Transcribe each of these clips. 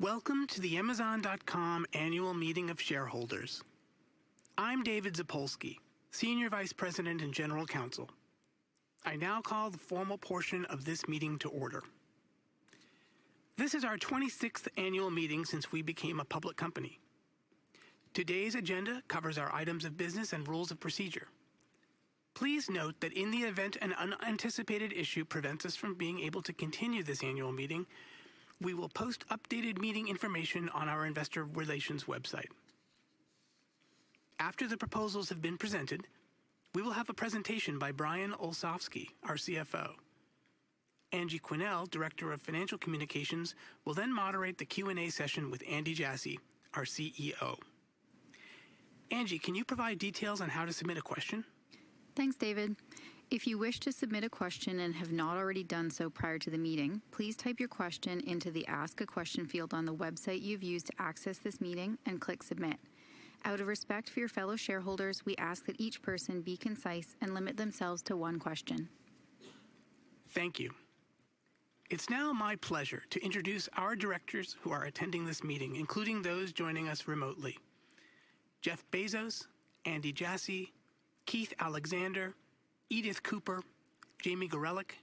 Welcome to the Amazon.com Annual Meeting of Shareholders. I'm David Zapolsky, Senior Vice President and General Counsel. I now call the formal portion of this meeting to order. This is our 26th annual meeting since we became a public company. Today's agenda covers our items of business and rules of procedure. Please note that in the event an unanticipated issue prevents us from being able to continue this annual meeting, we will post updated meeting information on our investor relations website. After the proposals have been presented, we will have a presentation by Brian Olsavsky, our CFO. Angie Quennell, Director of Financial Communications, will then moderate the Q&A session with Andy Jassy, our CEO. Angie, can you provide details on how to submit a question? Thanks, David. If you wish to submit a question and have not already done so prior to the meeting, please type your question into the Ask a Question field on the website you've used to access this meeting, and click Submit. Out of respect for your fellow shareholders, we ask that each person be concise and limit themselves to one question. Thank you. It's now my pleasure to introduce our directors who are attending this meeting, including those joining us remotely. Jeff Bezos, Andy Jassy, Keith Alexander, Edith Cooper, Jamie Gorelick,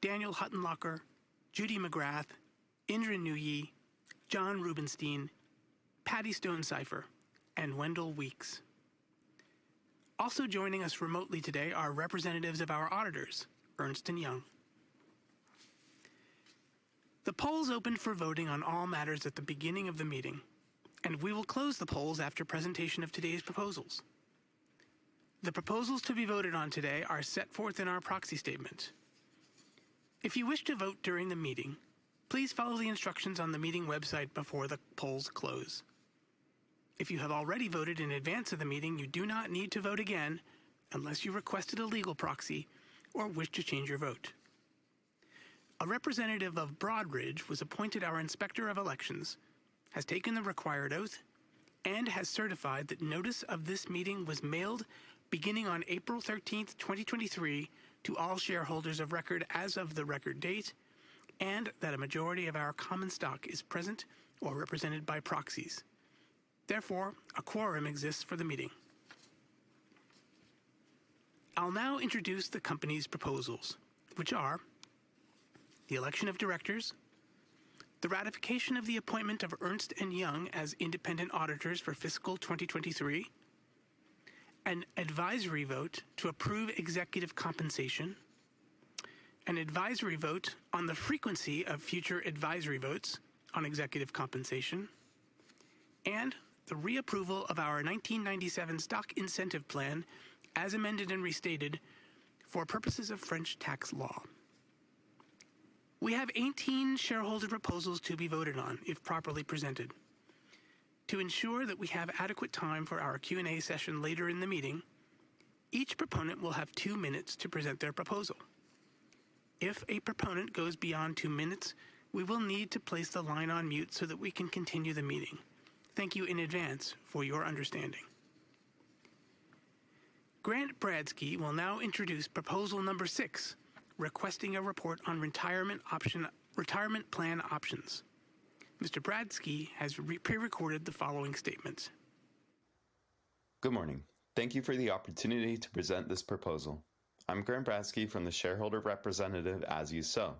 Daniel Huttenlocher, Judy McGrath, Indra Nooyi, Jon Rubinstein, Patty Stonesifer, and Wendell Weeks. Also joining us remotely today are representatives of our auditors, Ernst & Young. The polls opened for voting on all matters at the beginning of the meeting. We will close the polls after presentation of today's proposals. The proposals to be voted on today are set forth in our proxy statement. If you wish to vote during the meeting, please follow the instructions on the meeting website before the polls close. If you have already voted in advance of the meeting, you do not need to vote again unless you requested a legal proxy or wish to change your vote. A representative of Broadridge was appointed our Inspector of Elections, has taken the required oath, and has certified that notice of this meeting was mailed beginning on April 13, 2023 to all shareholders of record as of the record date, and that a majority of our common stock is present or represented by proxies. A quorum exists for the meeting. I'll now introduce the company's proposals, which are the election of directors, the ratification of the appointment of Ernst & Young as independent auditors for fiscal 2023, an advisory vote to approve executive compensation, an advisory vote on the frequency of future advisory votes on executive compensation, and the reapproval of our 1997 stock incentive plan as amended and restated for purposes of French tax law. We have 18 shareholder proposals to be voted on if properly presented. To ensure that we have adequate time for our Q&A session later in the meeting, each proponent will have two minutes to present their proposal. If a proponent goes beyond two minutes, we will need to place the line on mute so that we can continue the meeting. Thank you in advance for your understanding. Grant Bradski will now introduce proposal number six, requesting a report on retirement option, retirement plan options. Mr. Bradski has re-prerecorded the following statement. Good morning. Thank you for the opportunity to present this proposal. I'm Grant Bradski from the shareholder representative As You Sow.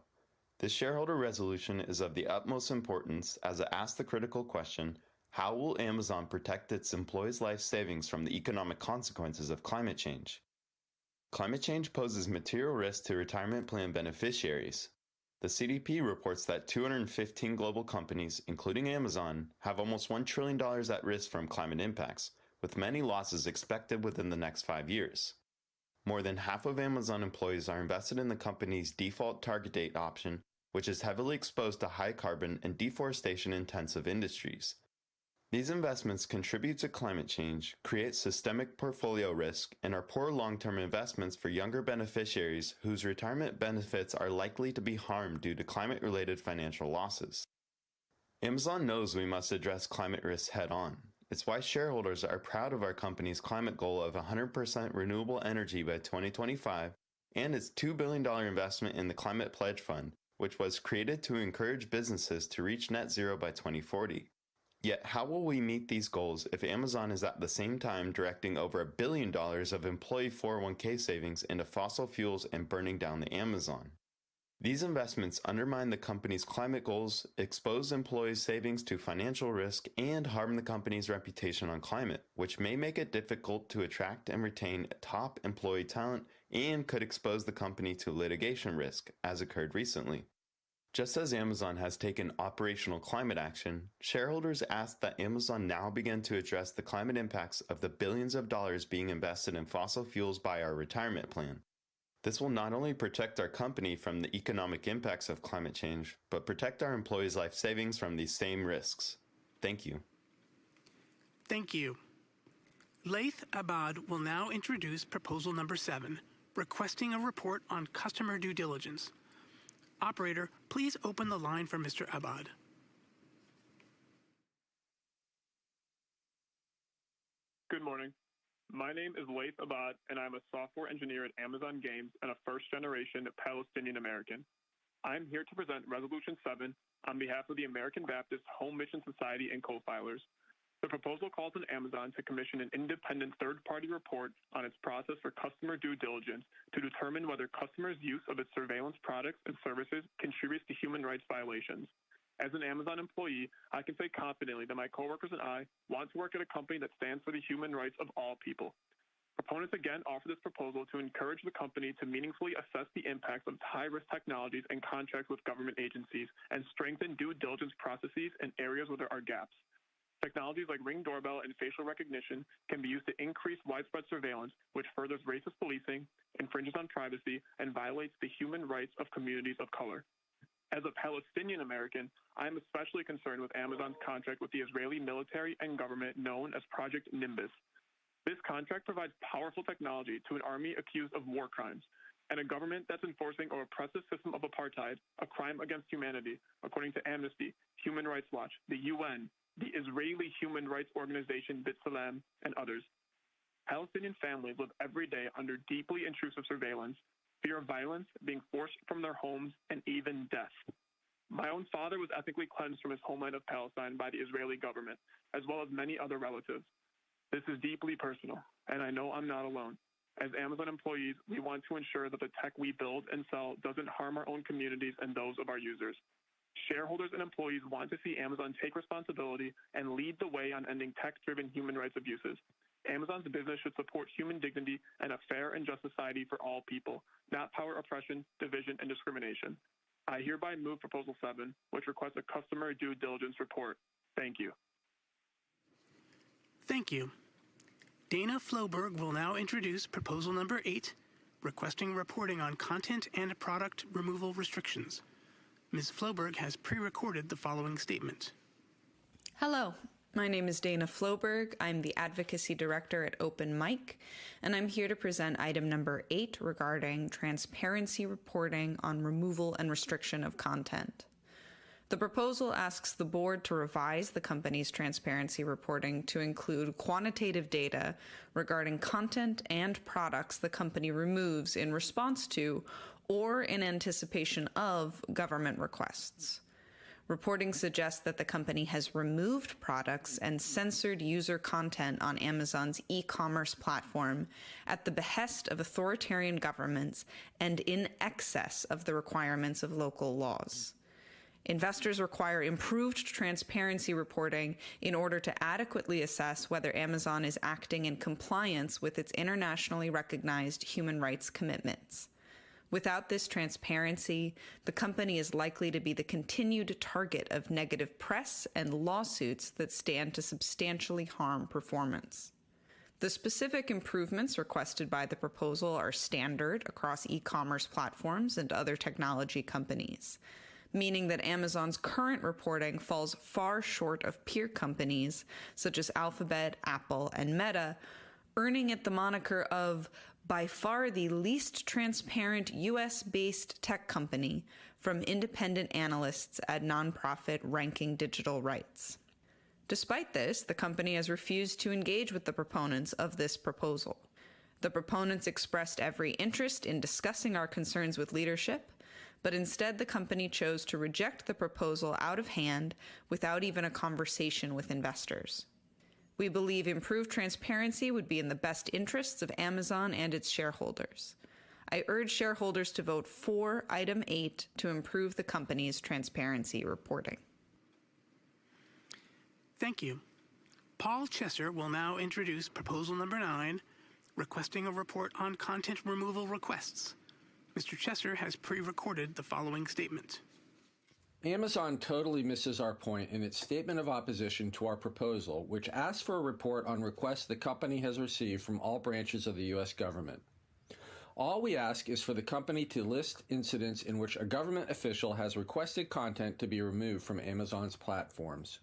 This shareholder resolution is of the utmost importance as it asks the critical question: How will Amazon protect its employees' life savings from the economic consequences of climate change? Climate change poses material risk to retirement plan beneficiaries. The CDP reports that 215 global companies, including Amazon, have almost $1 trillion at risk from climate impacts, with many losses expected within the next 5 years. More than half of Amazon employees are invested in the company's default target date option, which is heavily exposed to high carbon and deforestation-intensive industries. These investments contribute to climate change, create systemic portfolio risk, and are poor long-term investments for younger beneficiaries whose retirement benefits are likely to be harmed due to climate-related financial losses. Amazon knows we must address climate risks head-on. It's why shareholders are proud of our company's climate goal of 100% renewable energy by 2025 and its $2 billion investment in The Climate Pledge Fund, which was created to encourage businesses to reach net zero by 2040. How will we meet these goals if Amazon is at the same time directing over $1 billion of employee 401(k) savings into fossil fuels and burning down the Amazon? These investments undermine the company's climate goals, expose employees' savings to financial risk, and harm the company's reputation on climate, which may make it difficult to attract and retain top employee talent and could expose the company to litigation risk, as occurred recently. Just as Amazon has taken operational climate action, shareholders ask that Amazon now begin to address the climate impacts of the billions of dollars being invested in fossil fuels by our retirement plan. This will not only protect our company from the economic impacts of climate change but protect our employees' life savings from these same risks. Thank you. Thank you. Laith Abad will now introduce proposal number seven, requesting a report on customer due diligence. Operator, please open the line for Mr. Abad. Good morning. My name is Laith Abad, and I'm a software engineer at Amazon Games and a first-generation Palestinian American. I am here to present resolution 7 on behalf of the American Baptist Home Mission Society and co-filers. The proposal calls on Amazon to commission an independent third-party report on its process for customer due diligence to determine whether customers' use of its surveillance products and services contributes to human rights violations. As an Amazon employee, I can say confidently that my coworkers and I want to work at a company that stands for the human rights of all people. Proponents again offer this proposal to encourage the company to meaningfully assess the impacts of high-risk technologies and contracts with government agencies and strengthen due diligence processes in areas where there are gaps. Technologies like Ring doorbell and facial recognition can be used to increase widespread surveillance, which furthers racist policing, infringes on privacy, and violates the human rights of communities of color. As a Palestinian American, I am especially concerned with Amazon's contract with the Israeli military and government known as Project Nimbus. This contract provides powerful technology to an army accused of war crimes and a government that's enforcing an oppressive system of apartheid, a crime against humanity, according to Amnesty, Human Rights Watch, the UN, the Israeli human rights organization B'Tselem, and others. Palestinian families live every day under deeply intrusive surveillance, fear of violence, being forced from their homes, and even death. My own father was ethnically cleansed from his homeland of Palestine by the Israeli government, as well as many other relatives. This is deeply personal, and I know I'm not alone. As Amazon employees, we want to ensure that the tech we build and sell doesn't harm our own communities and those of our users. Shareholders and employees want to see Amazon take responsibility and lead the way on ending tech-driven human rights abuses. Amazon's business should support human dignity and a fair and just society for all people, not power, oppression, division, and discrimination. I hereby move proposal seven, which requests a customer due diligence report. Thank you. Thank you. Dana Floberg will now introduce proposal number 8, requesting reporting on content and product removal restrictions. Ms. Floberg has pre-recorded the following statement. Hello, my name is Dana Floberg. I'm the advocacy director at Open MIC, I'm here to present item number eight regarding transparency reporting on removal and restriction of content. The proposal asks the board to revise the company's transparency reporting to include quantitative data regarding content and products the company removes in response to or in anticipation of government requests. Reporting suggests that the company has removed products and censored user content on Amazon's e-commerce platform at the behest of authoritarian governments and in excess of the requirements of local laws. Investors require improved transparency reporting in order to adequately assess whether Amazon is acting in compliance with its internationally recognized human rights commitments. Without this transparency, the company is likely to be the continued target of negative press and lawsuits that stand to substantially harm performance. The specific improvements requested by the proposal are standard across e-commerce platforms and other technology companies, meaning that Amazon's current reporting falls far short of peer companies such as Alphabet, Apple, and Meta, earning it the moniker of by far the least transparent U.S.-based tech company from independent analysts at nonprofit Ranking Digital Rights. Despite this, the company has refused to engage with the proponents of this proposal. Instead, the company chose to reject the proposal out of hand without even a conversation with investors. We believe improved transparency would be in the best interests of Amazon and its shareholders. I urge shareholders to vote for item 8 to improve the company's transparency reporting. Thank you. Paul Chesser will now introduce proposal number nine, requesting a report on content removal requests. Mr. Chesser has pre-recorded the following statement. Amazon totally misses our point in its statement of opposition to our proposal, which asks for a report on requests the company has received from all branches of the U.S. government. All we ask is for the company to list incidents in which a government official has requested content to be removed from Amazon's platforms.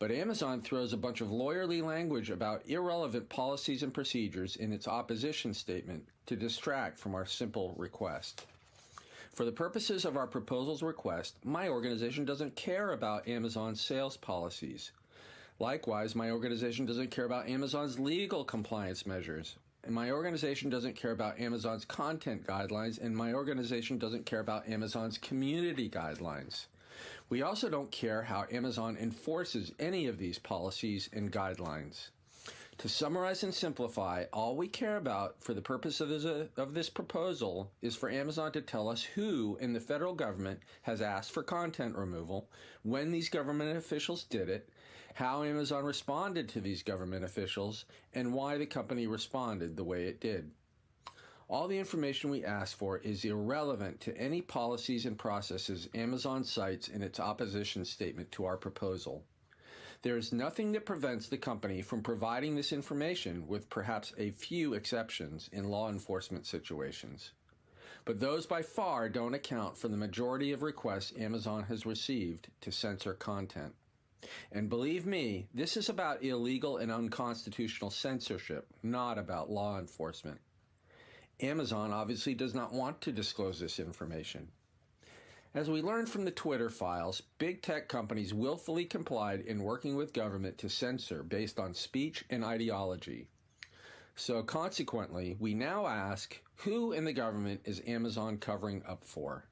Amazon throws a bunch of lawyerly language about irrelevant policies and procedures in its opposition statement to distract from our simple request. For the purposes of our proposal's request, my organization doesn't care about Amazon's sales policies. Likewise, my organization doesn't care about Amazon's legal compliance measures, and my organization doesn't care about Amazon's content guidelines, and my organization doesn't care about Amazon's community guidelines. We also don't care how Amazon enforces any of these policies and guidelines. To summarize and simplify, all we care about for the purpose of this, of this proposal is for Amazon to tell us who in the federal government has asked for content removal, when these government officials did it, how Amazon responded to these government officials, and why the company responded the way it did. All the information we ask for is irrelevant to any policies and processes Amazon cites in its opposition statement to our proposal. There is nothing that prevents the company from providing this information, with perhaps a few exceptions in law enforcement situations. Those, by far, don't account for the majority of requests Amazon has received to censor content. Believe me, this is about illegal and unconstitutional censorship, not about law enforcement. Amazon obviously does not want to disclose this information As we learned from the X-Files, big tech companies willfully complied in working with government to censor based on speech and ideology. Consequently, we now ask who in the government is Amazon covering up for?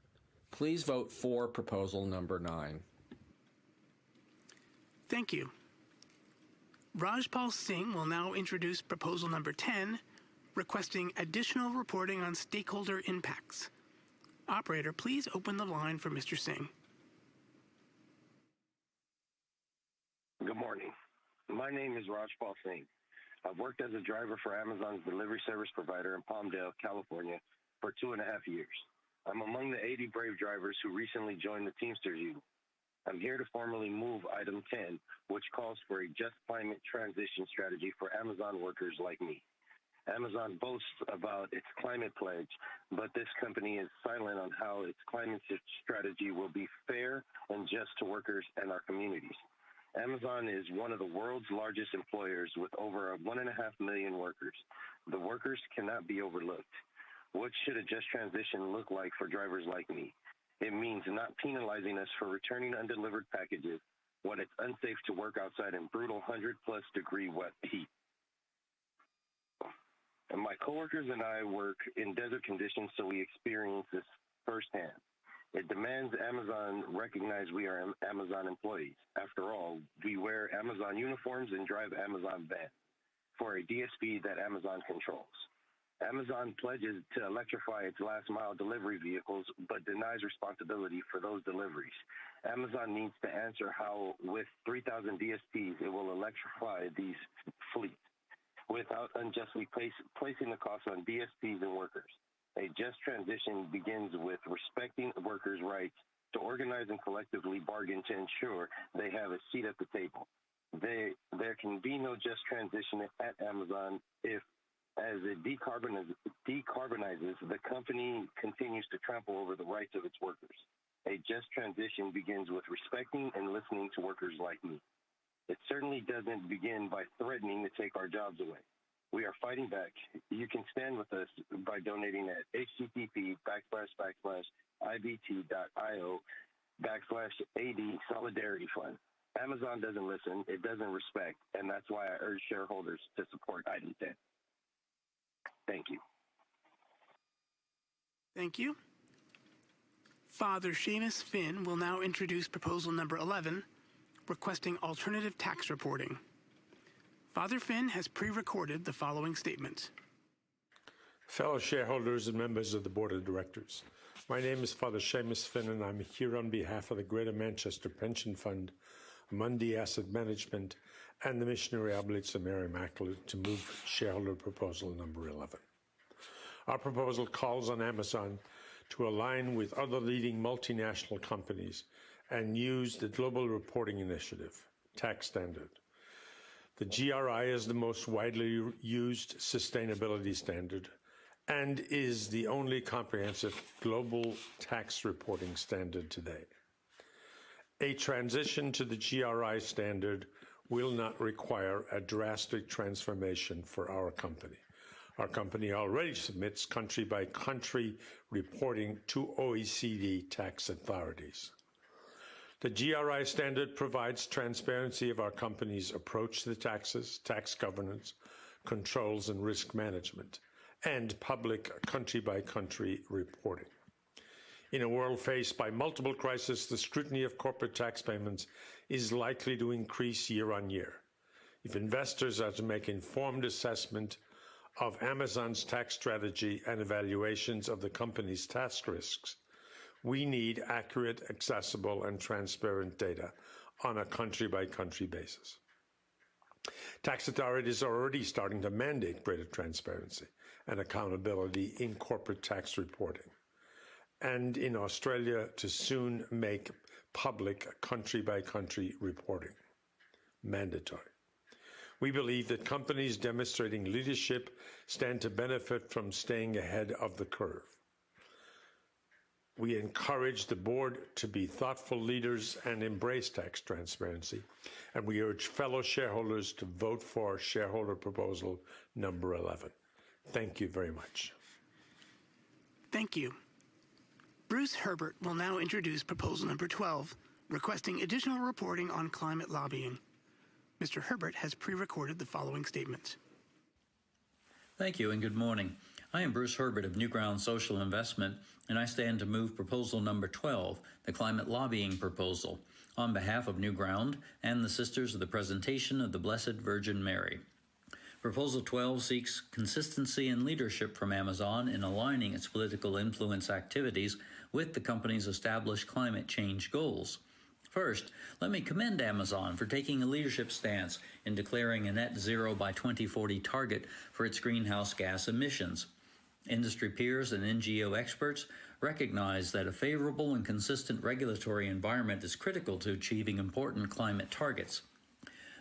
Please vote for proposal number 9. Thank you. Rajpal Singh will now introduce proposal number 10, requesting additional reporting on stakeholder impacts. Operator, please open the line for Mr. Singh. Good morning. My name is Rajpal Singh. I've worked as a driver for Amazon's delivery service provider in Palmdale, California, for two and a half years. I'm among the 80 brave drivers who recently joined the Teamsters union. I'm here to formally move item 10, which calls for a just climate transition strategy for Amazon workers like me. Amazon boasts about its climate pledge, but this company is silent on how its climate strategy will be fair and just to workers and our communities. Amazon is one of the world's largest employers with over one and a half million workers. The workers cannot be overlooked. What should a just transition look like for drivers like me? It means not penalizing us for returning undelivered packages when it's unsafe to work outside in brutal 100-plus degree wet heat. My coworkers and I work in desert conditions, so we experience this firsthand. It demands Amazon recognize we are Amazon employees. After all, we wear Amazon uniforms and drive Amazon vans for a DSP that Amazon controls. Amazon pledges to electrify its last mile delivery vehicles, but denies responsibility for those deliveries. Amazon needs to answer how with 3,000 DSPs it will electrify these fleets without unjustly placing the cost on DSPs and workers. A just transition begins with respecting workers' rights to organize and collectively bargain to ensure they have a seat at the table. There can be no just transition at Amazon if as it decarbonizes, the company continues to trample over the rights of its workers. A just transition begins with respecting and listening to workers like me. It certainly doesn't begin by threatening to take our jobs away. We are fighting back. You can stand with us by donating at http://ibt.io/adsolidarityfund. Amazon doesn't listen, it doesn't respect, that's why I urge shareholders to support item 10. Thank you. Thank you. Father Seamus Finn will now introduce proposal number 11, requesting alternative tax reporting. Father Finn has pre-recorded the following statement. Fellow shareholders and members of the board of directors, my name is Father Seamus Finn, and I'm here on behalf of the Greater Manchester Pension Fund, Monday Asset Management, and the Missionary Oblates of Mary Immaculate to move shareholder proposal number 11. Our proposal calls on Amazon to align with other leading multinational companies and use the Global Reporting Initiative tax standard. The GRI is the most widely used sustainability standard and is the only comprehensive global tax reporting standard today. A transition to the GRI standard will not require a drastic transformation for our company. Our company already submits country by country reporting to OECD tax authorities. The GRI standard provides transparency of our company's approach to the taxes, tax governance, controls and risk management, and public country by country reporting. In a world faced by multiple crises, the scrutiny of corporate tax payments is likely to increase year-over-year. If investors are to make informed assessments of Amazon's tax strategy and evaluations of the company's tax risks, we need accurate, accessible, and transparent data on a country-by-country basis. Tax authorities are already starting to mandate greater transparency and accountability in corporate tax reporting and in Australia to soon make public country-by-country reporting mandatory. We believe that companies demonstrating leadership stand to benefit from staying ahead of the curve. We encourage the board to be thoughtful leaders and embrace tax transparency, we urge fellow shareholders to vote for shareholder proposal number 11. Thank you very much. Thank you. Bruce Herbert will now introduce proposal number 12, requesting additional reporting on climate lobbying. Mr. Herbert has pre-recorded the following statement. Thank you. Good morning. I am Bruce Herbert of Newground Social Investment. I stand to move proposal number 12, the climate lobbying proposal on behalf of NewGround and the Sisters of the Presentation of the Blessed Virgin Mary. Proposal 12 seeks consistency and leadership from Amazon in aligning its political influence activities with the company's established climate change goals. First, let me commend Amazon for taking a leadership stance in declaring a net zero by 2040 target for its greenhouse gas emissions. Industry peers and NGO experts recognize that a favorable and consistent regulatory environment is critical to achieving important climate targets.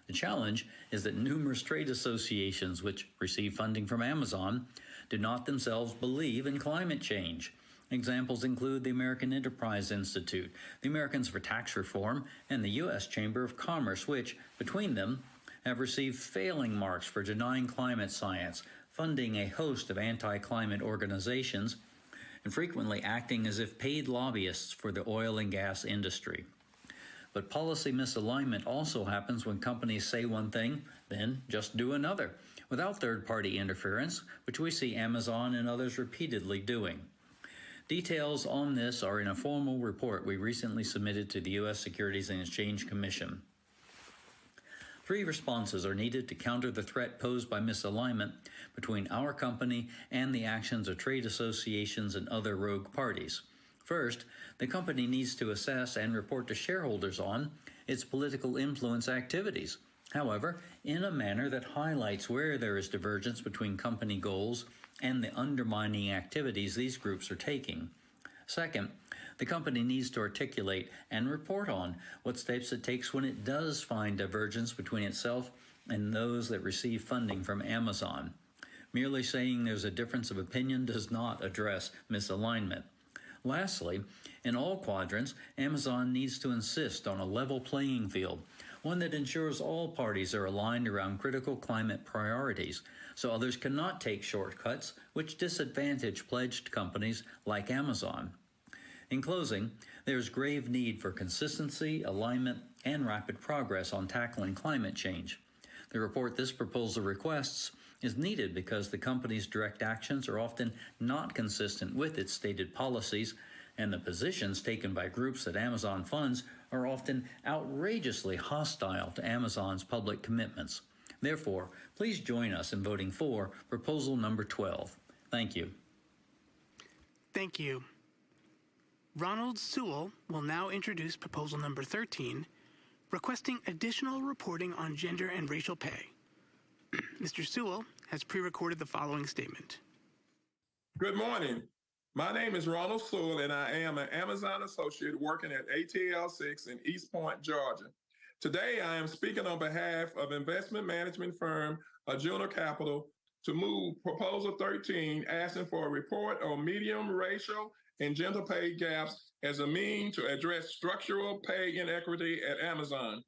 The challenge is that numerous trade associations which receive funding from Amazon do not themselves believe in climate change. Examples include the American Enterprise Institute, the Americans for Tax Reform, and the US Chamber of Commerce, which between them have received failing marks for denying climate science, funding a host of anti-climate organizations, and frequently acting as if paid lobbyists for the oil and gas industry. Policy misalignment also happens when companies say one thing, then just do another without third-party interference, which we see Amazon and others repeatedly doing. Details on this are in a formal report we recently submitted to the US Securities and Exchange Commission. Three responses are needed to counter the threat posed by misalignment between our company and the actions of trade associations and other rogue parties. First, the company needs to assess and report to shareholders on its political influence activities. However, in a manner that highlights where there is divergence between company goals and the undermining activities these groups are taking. Second, the company needs to articulate and report on what steps it takes when it does find divergence between itself and those that receive funding from Amazon. Merely saying there's a difference of opinion does not address misalignment. Lastly, in all quadrants, Amazon needs to insist on a level playing field, one that ensures all parties are aligned around critical climate priorities, so others cannot take shortcuts which disadvantage pledged companies like Amazon. In closing, there is grave need for consistency, alignment, and rapid progress on tackling climate change. The report this proposal requests is needed because the company's direct actions are often not consistent with its stated policies, and the positions taken by groups that Amazon funds are often outrageously hostile to Amazon's public commitments. Therefore, please join us in voting for proposal number 12. Thank you. Thank you. Ronald Sewell will now introduce proposal number 13, requesting additional reporting on gender and racial pay. Mr. Sewell has pre-recorded the following statement. Good morning. My name is Ronald Sewell, and I am an Amazon associate working at ATL6 in East Point, Georgia. Today, I am speaking on behalf of investment management firm Arjuna Capital to move proposal 13, asking for a report on medium racial and gender pay gaps as a mean to address structural pay inequity at Amazon.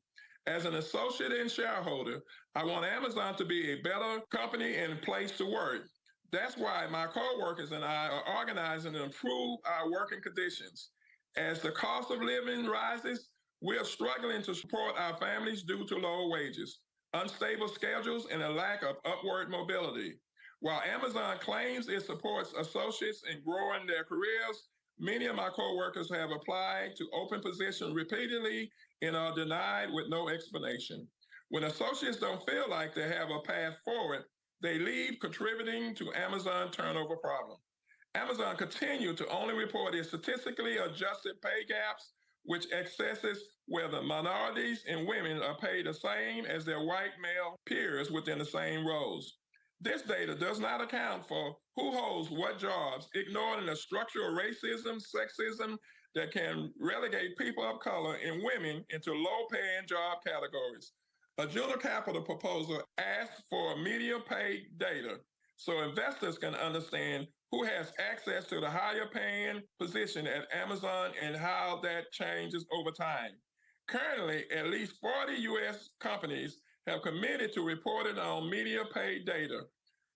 As an associate and shareholder, I want Amazon to be a better company and place to work. That's why my coworkers and I are organizing to improve our working conditions. As the cost of living rises, we are struggling to support our families due to low wages, unstable schedules, and a lack of upward mobility. While Amazon claims it supports associates in growing their careers, many of my coworkers have applied to open positions repeatedly and are denied with no explanation. When associates don't feel like they have a path forward, they leave, contributing to Amazon turnover problem. Amazon continued to only report its statistically adjusted pay gaps, which assesses whether minorities and women are paid the same as their white male peers within the same roles. This data does not account for who holds what jobs, ignoring the structural racism, sexism that can relegate people of color and women into low-paying job categories. Arjuna Capital proposal asks for a median pay data so investors can understand who has access to the higher-paying position at Amazon and how that changes over time. Currently, at least 40 U.S. companies have committed to reporting on median pay data.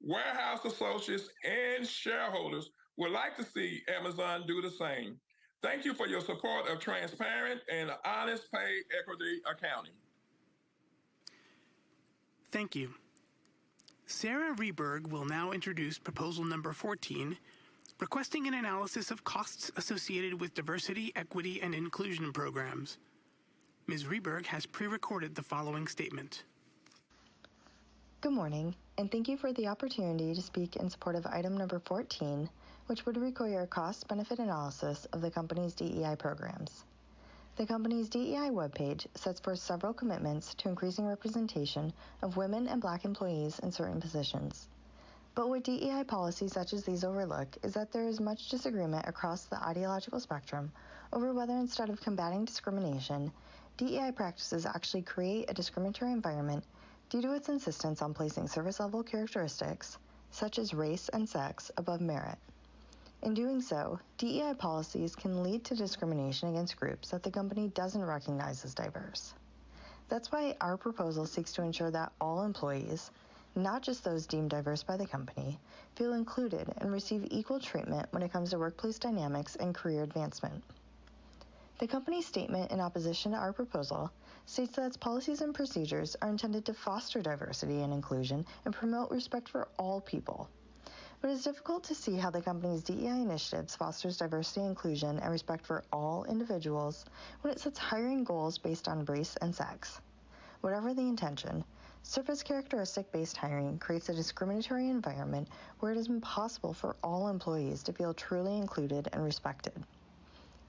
Warehouse associates and shareholders would like to see Amazon do the same. Thank you for your support of transparent and honest pay equity accounting. Thank you. Sarah Rehberg will now introduce proposal number 14, requesting an analysis of costs associated with diversity, equity, and inclusion programs. Ms. Rehberg has pre-recorded the following statement. Good morning, and thank you for the opportunity to speak in support of item number 14, which would require a cost-benefit analysis of the company's DEI programs. The company's DEI webpage sets forth several commitments to increasing representation of women and Black employees in certain positions. What DEI policies such as these overlook is that there is much disagreement across the ideological spectrum over whether instead of combating discrimination, DEI practices actually create a discriminatory environment due to its insistence on placing service-level characteristics such as race and sex above merit. In doing so, DEI policies can lead to discrimination against groups that the company doesn't recognize as diverse. That's why our proposal seeks to ensure that all employees, not just those deemed diverse by the company, feel included and receive equal treatment when it comes to workplace dynamics and career advancement. The company's statement in opposition to our proposal states that its policies and procedures are intended to foster diversity and inclusion and promote respect for all people. It's difficult to see how the company's DEI initiatives fosters diversity, inclusion, and respect for all individuals when it sets hiring goals based on race and sex. Whatever the intention, surface characteristic-based hiring creates a discriminatory environment where it is impossible for all employees to feel truly included and respected.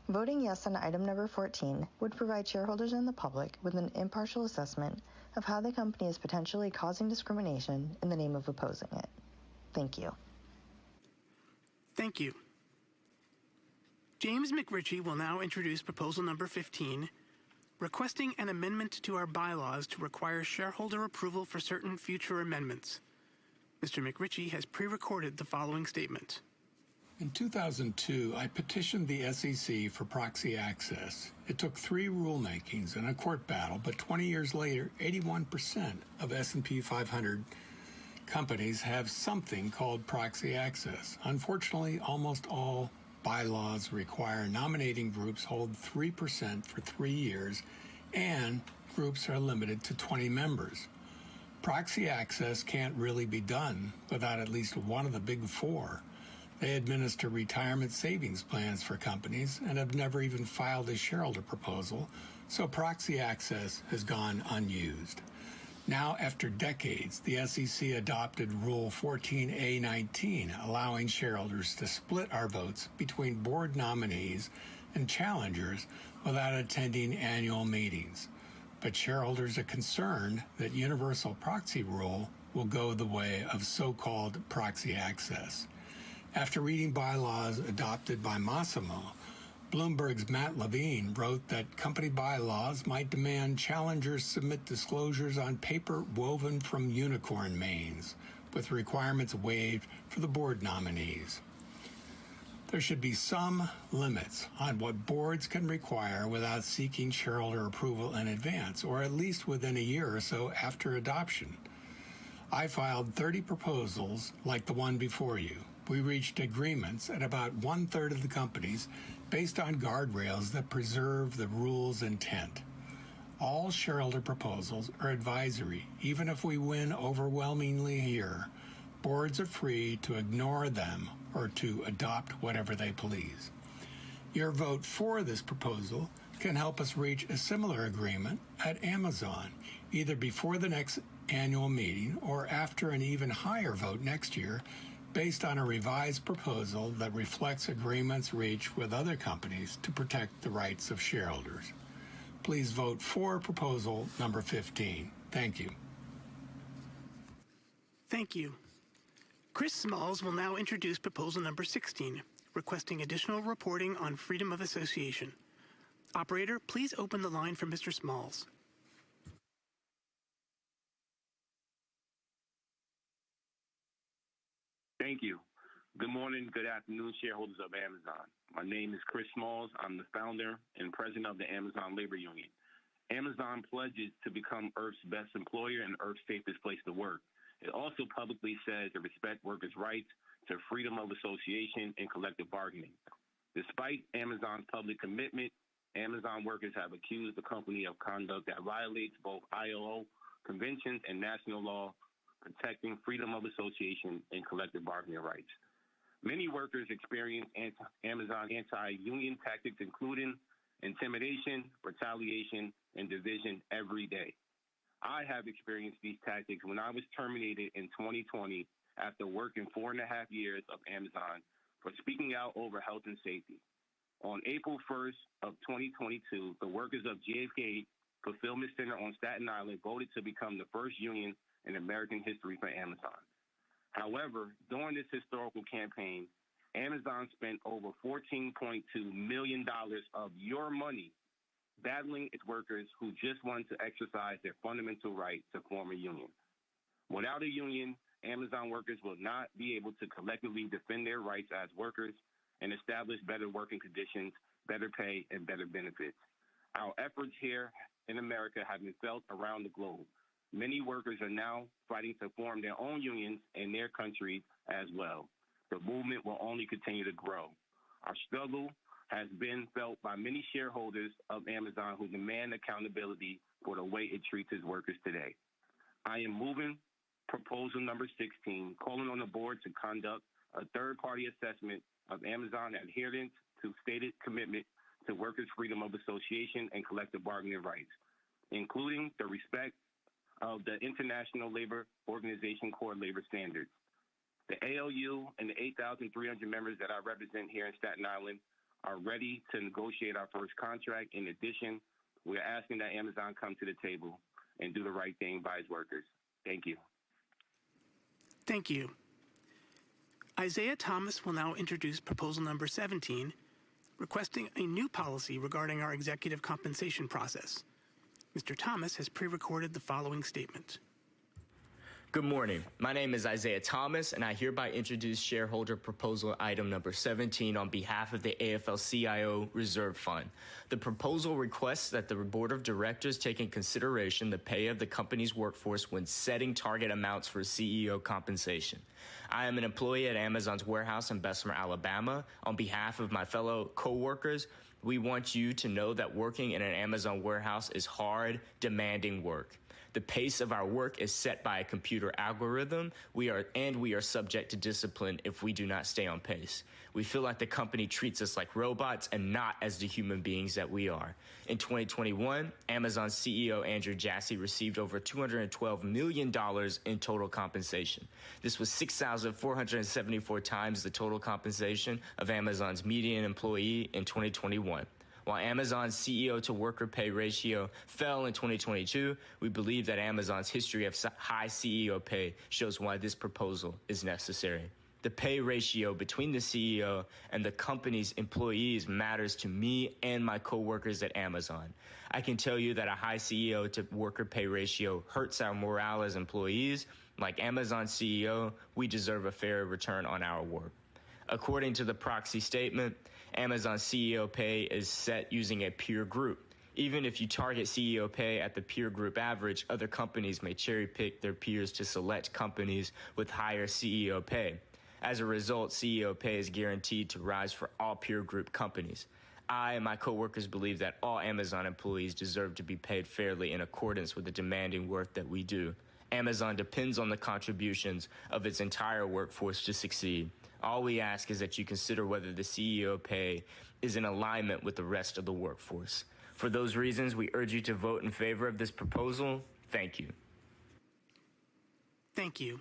Voting yes on item number 14 would provide shareholders and the public with an impartial assessment of how the company is potentially causing discrimination in the name of opposing it. Thank you. Thank you. James McRitchie will now introduce proposal number 15, requesting an amendment to our bylaws to require shareholder approval for certain future amendments. Mr. McRitchie has pre-recorded the following statement. In 2002, I petitioned the SEC for proxy access. It took three rulemakings and a court battle, but 20 years later, 81% of S&P 500 companies have something called proxy access. Unfortunately, almost all bylaws require nominating groups hold 3% for 3 years, and groups are limited to 20 members. Proxy access can't really be done without at least one of the Big Four. They administer retirement savings plans for companies and have never even filed a shareholder proposal, so proxy access has gone unused. Now, after decades, the SEC adopted Rule 14a-19, allowing shareholders to split our votes between board nominees and challengers without attending annual meetings. Shareholders are concerned that universal proxy rule will go the way of so-called proxy access. After reading bylaws adopted by Masimo, Bloomberg's Matt Levine wrote that company bylaws might demand challengers submit disclosures on paper woven from unicorn manes with requirements waived for the board nominees. There should be some limits on what boards can require without seeking shareholder approval in advance, or at least within a year or so after adoption. I filed 30 proposals like the one before you. We reached agreements at about one-third of the companies based on guardrails that preserve the rule's intent. All shareholder proposals are advisory. Even if we win overwhelmingly here, boards are free to ignore them or to adopt whatever they please. Your vote for this proposal can help us reach a similar agreement at Amazon, either before the next annual meeting or after an even higher vote next year based on a revised proposal that reflects agreements reached with other companies to protect the rights of shareholders. Please vote for proposal number 15. Thank you. Thank you. Chris Smalls will now introduce proposal number 16, requesting additional reporting on freedom of association. Operator, please open the line for Mr. Smalls. Thank you. Good morning. Good afternoon, shareholders of Amazon. My name is Chris Smalls. I'm the founder and President of the Amazon Labor Union. Amazon pledges to become Earth's best employer and Earth's safest place to work. It also publicly says it respects workers' rights to freedom of association and collective bargaining. Despite Amazon's public commitment, Amazon workers have accused the company of conduct that violates both ILO conventions and national law protecting freedom of association and collective bargaining rights. Many workers experience Amazon anti-union tactics, including intimidation, retaliation, and division every day. I have experienced these tactics when I was terminated in 2020 after working 4.5 years of Amazon for speaking out over health and safety. On April first of 2022, the workers of JFK8 Fulfillment Center on Staten Island voted to become the first union in American history for Amazon. During this historical campaign, Amazon spent over $14.2 million of your money battling its workers who just wanted to exercise their fundamental right to form a union. Without a union, Amazon workers will not be able to collectively defend their rights as workers and establish better working conditions, better pay, and better benefits. Our efforts here in America have been felt around the globe. Many workers are now fighting to form their own unions in their countries as well. The movement will only continue to grow. Our struggle has been felt by many shareholders of Amazon who demand accountability for the way it treats its workers today. I am moving proposal number 16, calling on the board to conduct a third-party assessment of Amazon adherence to stated commitment to workers' freedom of association and collective bargaining rights, including the respect of the International Labour Organization core labor standards. The ALU and the 8,300 members that I represent here in Staten Island are ready to negotiate our first contract. In addition, we are asking that Amazon come to the table and do the right thing by its workers. Thank you. Thank you. Isaiah Thomas will now introduce proposal number 17, requesting a new policy regarding our executive compensation process. Mr. Thomas has pre-recorded the following statement. Good morning. My name is Isaiah Thomas. I hereby introduce shareholder proposal item number 17 on behalf of the AFL-CIO Reserve Fund. The proposal requests that the board of directors take in consideration the pay of the company's workforce when setting target amounts for CEO compensation. I am an employee at Amazon's warehouse in Bessemer, Alabama. On behalf of my fellow coworkers, we want you to know that working in an Amazon warehouse is hard, demanding work. The pace of our work is set by a computer algorithm. We are subject to discipline if we do not stay on pace. We feel like the company treats us like robots and not as the human beings that we are. In 2021, Amazon CEO Andy Jassy received over $212 million in total compensation. This was 6,474 times the total compensation of Amazon's median employee in 2021. While Amazon's CEO-to-worker pay ratio fell in 2022, we believe that Amazon's history of high CEO pay shows why this proposal is necessary. The pay ratio between the CEO and the company's employees matters to me and my coworkers at Amazon. I can tell you that a high CEO-to-worker pay ratio hurts our morale as employees. Like Amazon's CEO, we deserve a fair return on our work. According to the proxy statement, Amazon's CEO pay is set using a peer group. Even if you target CEO pay at the peer group average, other companies may cherry-pick their peers to select companies with higher CEO pay. As a result, CEO pay is guaranteed to rise for all peer group companies. I and my coworkers believe that all Amazon employees deserve to be paid fairly in accordance with the demanding work that we do. Amazon depends on the contributions of its entire workforce to succeed. All we ask is that you consider whether the CEO pay is in alignment with the rest of the workforce. For those reasons, we urge you to vote in favor of this proposal. Thank you. Thank you.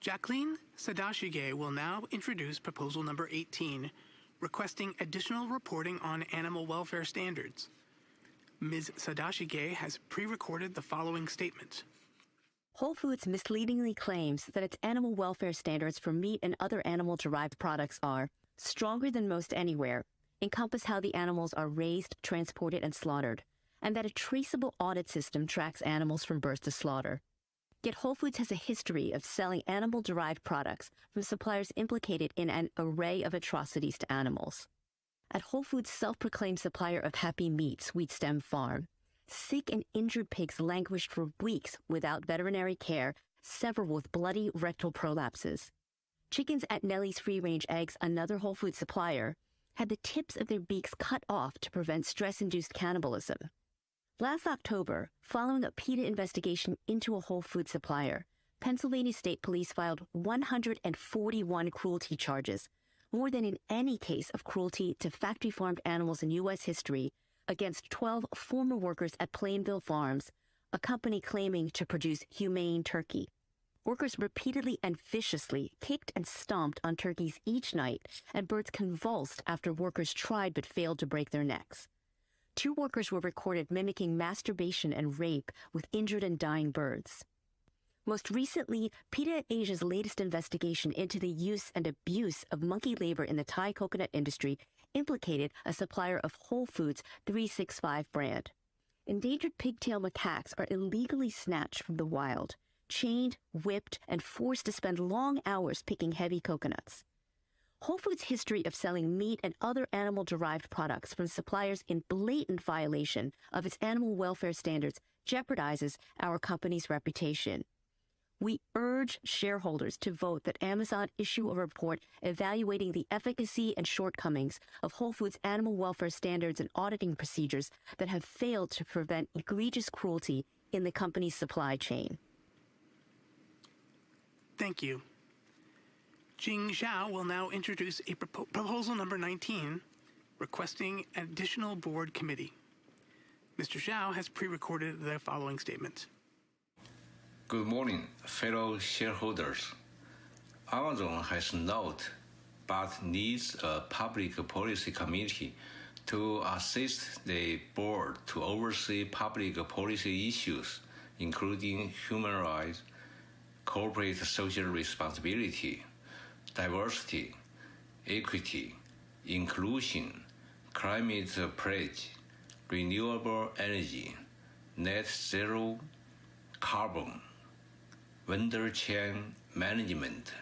Jacqueline Sadashige will now introduce proposal number 18, requesting additional reporting on animal welfare standards. Ms. Sadashige has pre-recorded the following statement. Whole Foods misleadingly claims that its animal welfare standards for meat and other animal-derived products are stronger than most anywhere, encompass how the animals are raised, transported, and slaughtered, and that a traceable audit system tracks animals from birth to slaughter. Yet Whole Foods has a history of selling animal-derived products from suppliers implicated in an array of atrocities to animals. At Whole Foods self-proclaimed supplier of happy meat, Sweet Stem Farm, sick and injured pigs languished for weeks without veterinary care, several with bloody rectal prolapses. Chickens at Nellie's Free Range Eggs, another Whole Foods supplier, had the tips of their beaks cut off to prevent stress-induced cannibalism. Last October, following a PETA investigation into a Whole Foods supplier, Pennsylvania State Police filed 141 cruelty charges, more than in any case of cruelty to factory farmed animals in U.S. history, against 12 former workers at Plainville Farms, a company claiming to produce humane turkey. Workers repeatedly and viciously kicked and stomped on turkeys each night, and birds convulsed after workers tried but failed to break their necks. Two workers were recorded mimicking masturbation and rape with injured and dying birds. Most recently, PETA Asia's latest investigation into the use and abuse of monkey labor in the Thai coconut industry implicated a supplier of Whole Foods' 365 brand. Endangered pigtail macaques are illegally snatched from the wild, chained, whipped, and forced to spend long hours picking heavy coconuts. Whole Foods' history of selling meat and other animal-derived products from suppliers in blatant violation of its animal welfare standards jeopardizes our company's reputation. We urge shareholders to vote that Amazon issue a report evaluating the efficacy and shortcomings of Whole Foods' animal welfare standards and auditing procedures that have failed to prevent egregious cruelty in the company's supply chain. Thank you. Jing Zhao will now introduce a proposal number 19, requesting an additional board committee. Mr. Zhao has pre-recorded the following statement. Good morning, fellow shareholders. Amazon has not but needs a public policy committee to assist the board to oversee public policy issues, including human rights, corporate social responsibility, diversity, equity, inclusion, climate pledge, renewable energy, net zero carbon, vendor chain management,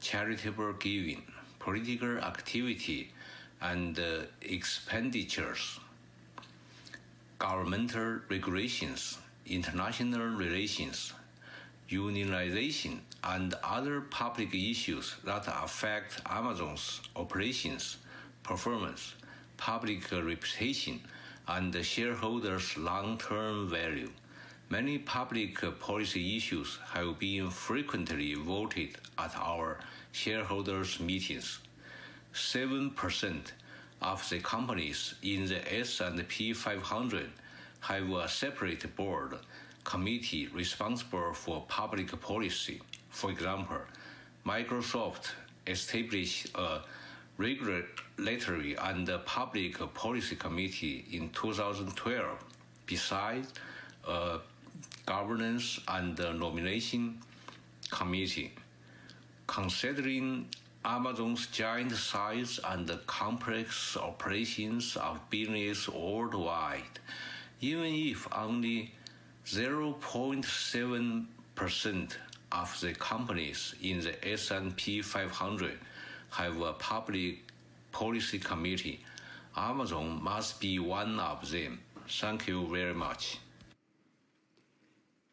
charitable giving, political activity and expenditures, governmental regulations, international relations, unionization, and other public issues that affect Amazon's operations, performance, public reputation and shareholders' long-term value. Many public policy issues have been frequently voted at our shareholders meetings. 7% of the companies in the S&P 500 have a separate board committee responsible for public policy. For example, Microsoft established a regulatory and public policy committee in 2012 beside a governance and nomination committee. Considering Amazon's giant size and the complex operations of business worldwide, even if only 0.7% of the companies in the S&P 500 have a public policy committee, Amazon must be one of them. Thank you very much.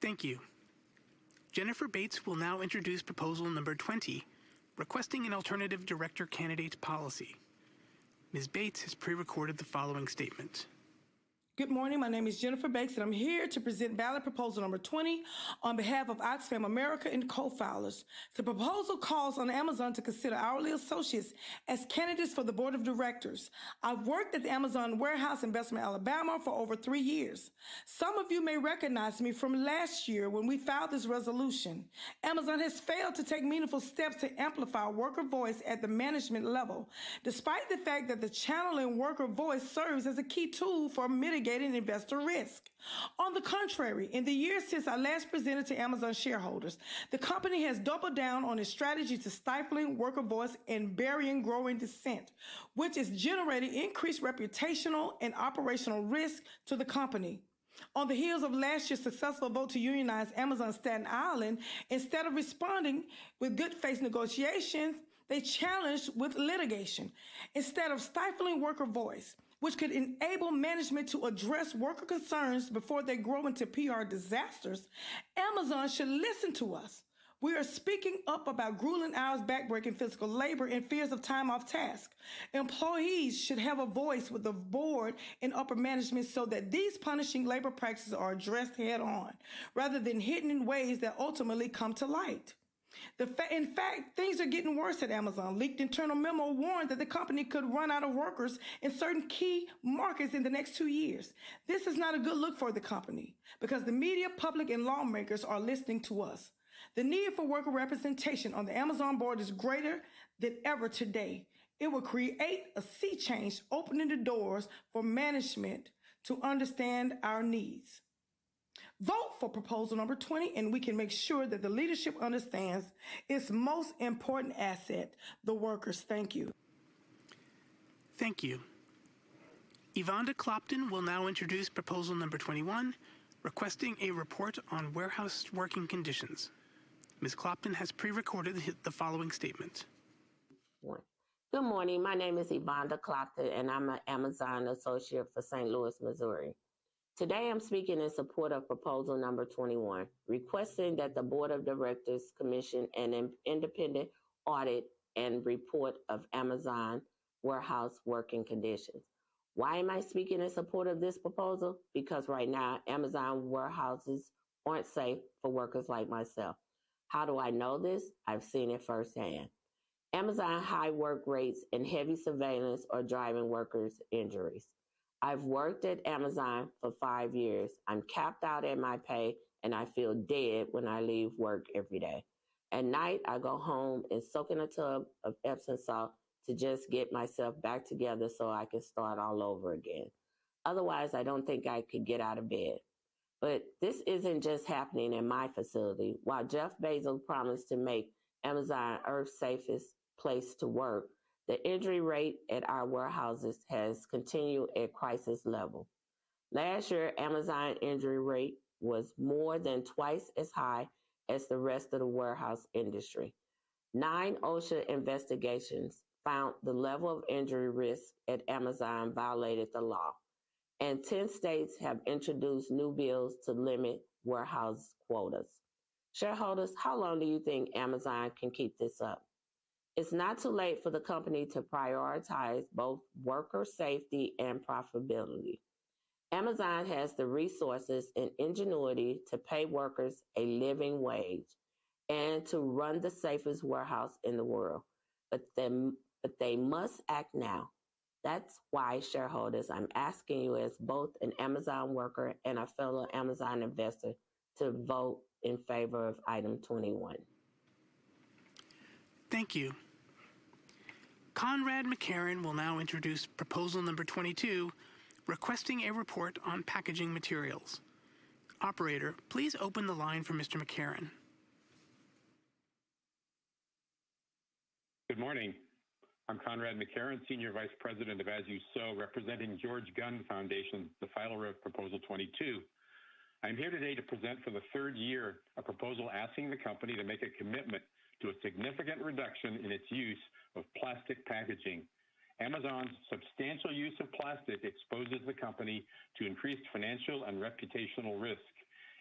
Thank you. Jennifer Bates will now introduce proposal number 20, requesting an alternative director candidate policy. Ms. Bates has pre-recorded the following statement. Good morning. My name is Jennifer Bates, and I'm here to present ballot proposal number 20 on behalf of Oxfam America and co-filers. The proposal calls on Amazon to consider hourly associates as candidates for the board of directors. I've worked at the Amazon warehouse in Bessemer, Alabama, for over 3 years. Some of you may recognize me from last year when we filed this resolution. Amazon has failed to take meaningful steps to amplify worker voice at the management level, despite the fact that the channel and worker voice serves as a key tool for mitigating investor risk. On the contrary, in the years since I last presented to Amazon shareholders, the company has doubled down on its strategy to stifling worker voice and burying growing dissent, which is generating increased reputational and operational risk to the company. On the heels of last year's successful vote to unionize Amazon Staten Island, instead of responding with good faith negotiations, they challenged with litigation. Instead of stifling worker voice, which could enable management to address worker concerns before they grow into PR disasters. Amazon should listen to us. We are speaking up about grueling hours, back-breaking physical labor, and fears of time off task. Employees should have a voice with the board and upper management so that these punishing labor practices are addressed head-on rather than hidden in ways that ultimately come to light. In fact, things are getting worse at Amazon. Leaked internal memo warned that the company could run out of workers in certain key markets in the next two years. This is not a good look for the company because the media, public, and lawmakers are listening to us. The need for worker representation on the Amazon board is greater than ever today. It will create a sea change, opening the doors for management to understand our needs. Vote for proposal number 20, and we can make sure that the leadership understands its most important asset, the workers. Thank you. Thank you. Evanda Clopton will now introduce proposal number 21, requesting a report on warehouse working conditions. Ms. Clopton has pre-recorded the following statement. Good morning. My name is Evanda Clopton, I'm an Amazon associate for St. Louis, Missouri. Today, I'm speaking in support of proposal number 21, requesting that the board of directors commission an independent audit and report of Amazon warehouse working conditions. Why am I speaking in support of this proposal? Right now, Amazon warehouses aren't safe for workers like myself. How do I know this? I've seen it firsthand. Amazon high work rates and heavy surveillance are driving workers injuries. I've worked at Amazon for 5 years. I'm capped out at my pay, I feel dead when I leave work every day. At night, I go home and soak in a tub of Epsom salt to just get myself back together so I can start all over again. Otherwise, I don't think I could get out of bed. This isn't just happening in my facility. While Jeff Bezos promised to make Amazon Earth's safest place to work, the injury rate at our warehouses has continued at crisis level. Last year, Amazon injury rate was more than twice as high as the rest of the warehouse industry. Nine OSHA investigations found the level of injury risk at Amazon violated the law, and 10 states have introduced new bills to limit warehouse quotas. Shareholders, how long do you think Amazon can keep this up? It's not too late for the company to prioritize both worker safety and profitability. Amazon has the resources and ingenuity to pay workers a living wage and to run the safest warehouse in the world. They must act now. That's why, shareholders, I'm asking you as both an Amazon worker and a fellow Amazon investor to vote in favor of item 21. Thank you. Conrad MacKerron will now introduce proposal number 22, requesting a report on packaging materials. Operator, please open the line for Mr. MacKerron. Good morning. I'm Conrad MacKerron, Senior Vice President of As You Sow, representing The George Gund Foundation, the filer of proposal 22. I'm here today to present for the third year a proposal asking the company to make a commitment to a significant reduction in its use of plastic packaging. Amazon's substantial use of plastic exposes the company to increased financial and reputational risk.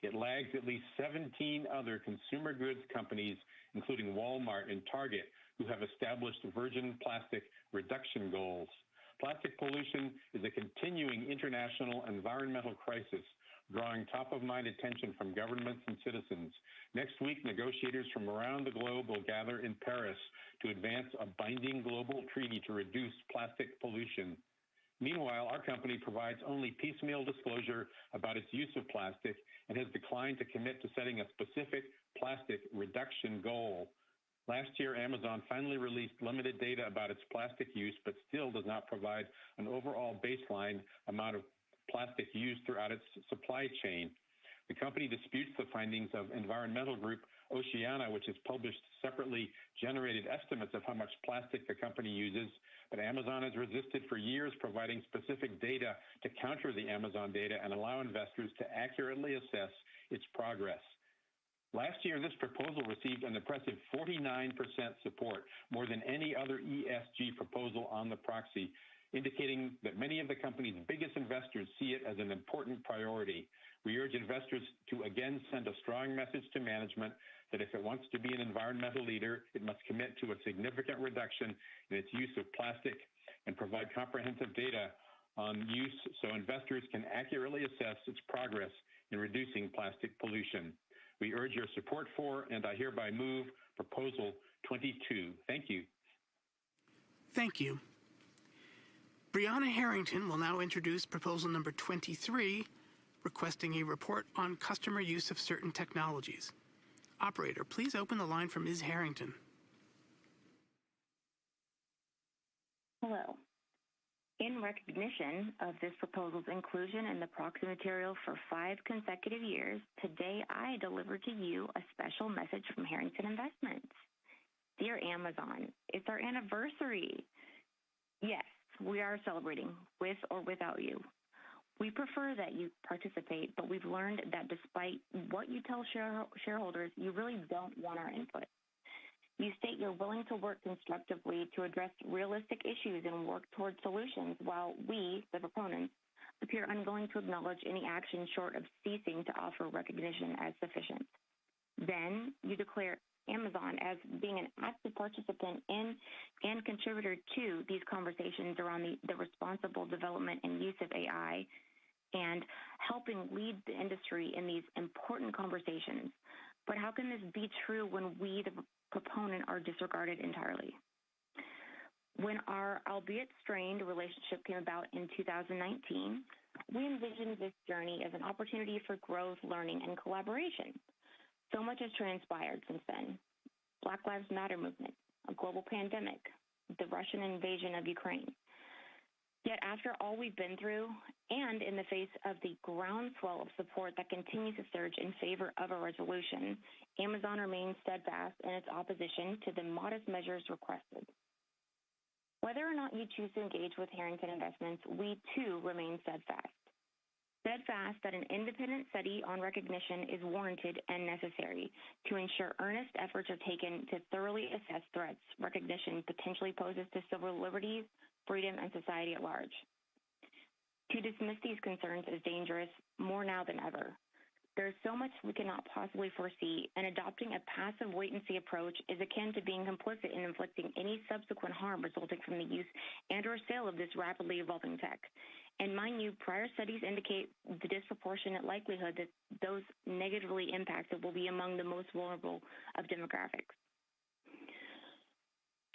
It lags at least 17 other consumer goods companies, including Walmart and Target, who have established virgin plastic reduction goals. Plastic pollution is a continuing international environmental crisis, drawing top-of-mind attention from governments and citizens. Next week, negotiators from around the globe will gather in Paris to advance a binding global treaty to reduce plastic pollution. Our company provides only piecemeal disclosure about its use of plastic and has declined to commit to setting a specific plastic reduction goal. Last year, Amazon finally released limited data about its plastic use, but still does not provide an overall baseline amount of plastic used throughout its supply chain. The company disputes the findings of environmental group Oceana, which has published separately generated estimates of how much plastic the company uses, but Amazon has resisted for years providing specific data to counter the Amazon data and allow investors to accurately assess its progress. Last year, this proposal received an impressive 49% support, more than any other ESG proposal on the proxy, indicating that many of the company's biggest investors see it as an important priority. We urge investors to again send a strong message to management that if it wants to be an environmental leader, it must commit to a significant reduction in its use of plastic and provide comprehensive data on use so investors can accurately assess its progress in reducing plastic pollution. We urge your support for. I hereby move Proposal 22. Thank you. Thank you. Brianna Harrington will now introduce proposal number 23, requesting a report on customer use of certain technologies. Operator, please open the line for Ms. Harrington. Hello. In recognition of this proposal's inclusion in the proxy material for five consecutive years, today, I deliver to you a special message from Harrington Investments. Dear Amazon, it's our anniversary. Yes, we are celebrating with or without you. We prefer that you participate, but we've learned that despite what you tell shareholders, you really don't want our input. You state you're willing to work constructively to address realistic issues and work towards solutions while we, the proponents, appear unwilling to acknowledge any action short of ceasing to offer recognition as sufficient. You declare Amazon as being an active participant in and contributor to these conversations around the responsible development and use of AI and helping lead the industry in these important conversations. How can this be true when we, the proponent, are disregarded entirely? When our albeit strained relationship came about in 2019, we envisioned this journey as an opportunity for growth, learning, and collaboration. Much has transpired since then. Black Lives Matter movement, a global pandemic, the Russian invasion of Ukraine. Yet after all we've been through, and in the face of the groundswell of support that continues to surge in favor of a resolution, Amazon remains steadfast in its opposition to the modest measures requested. Whether or not you choose to engage with Harrington Investments, we too remain steadfast. Steadfast that an independent study on recognition is warranted and necessary to ensure earnest efforts are taken to thoroughly assess threats recognition potentially poses to civil liberties, freedom, and society at large. To dismiss these concerns is dangerous more now than ever. There is so much we cannot possibly foresee, adopting a passive wait-and-see approach is akin to being complicit in inflicting any subsequent harm resulting from the use and/or sale of this rapidly evolving tech. Mind you, prior studies indicate the disproportionate likelihood that those negatively impacted will be among the most vulnerable of demographics.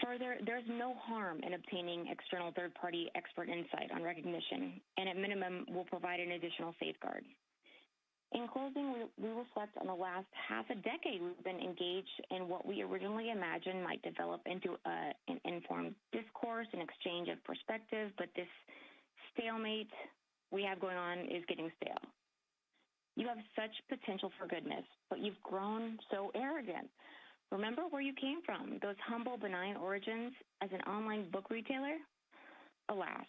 Further, there's no harm in obtaining external third-party expert insight on recognition, and at minimum will provide an additional safeguard. In closing, we reflect on the last half a decade we've been engaged in what we originally imagined might develop into an informed discourse and exchange of perspective, but this stalemate we have going on is getting stale. You have such potential for goodness, but you've grown so arrogant. Remember where you came from, those humble, benign origins as an online book retailer. Alas,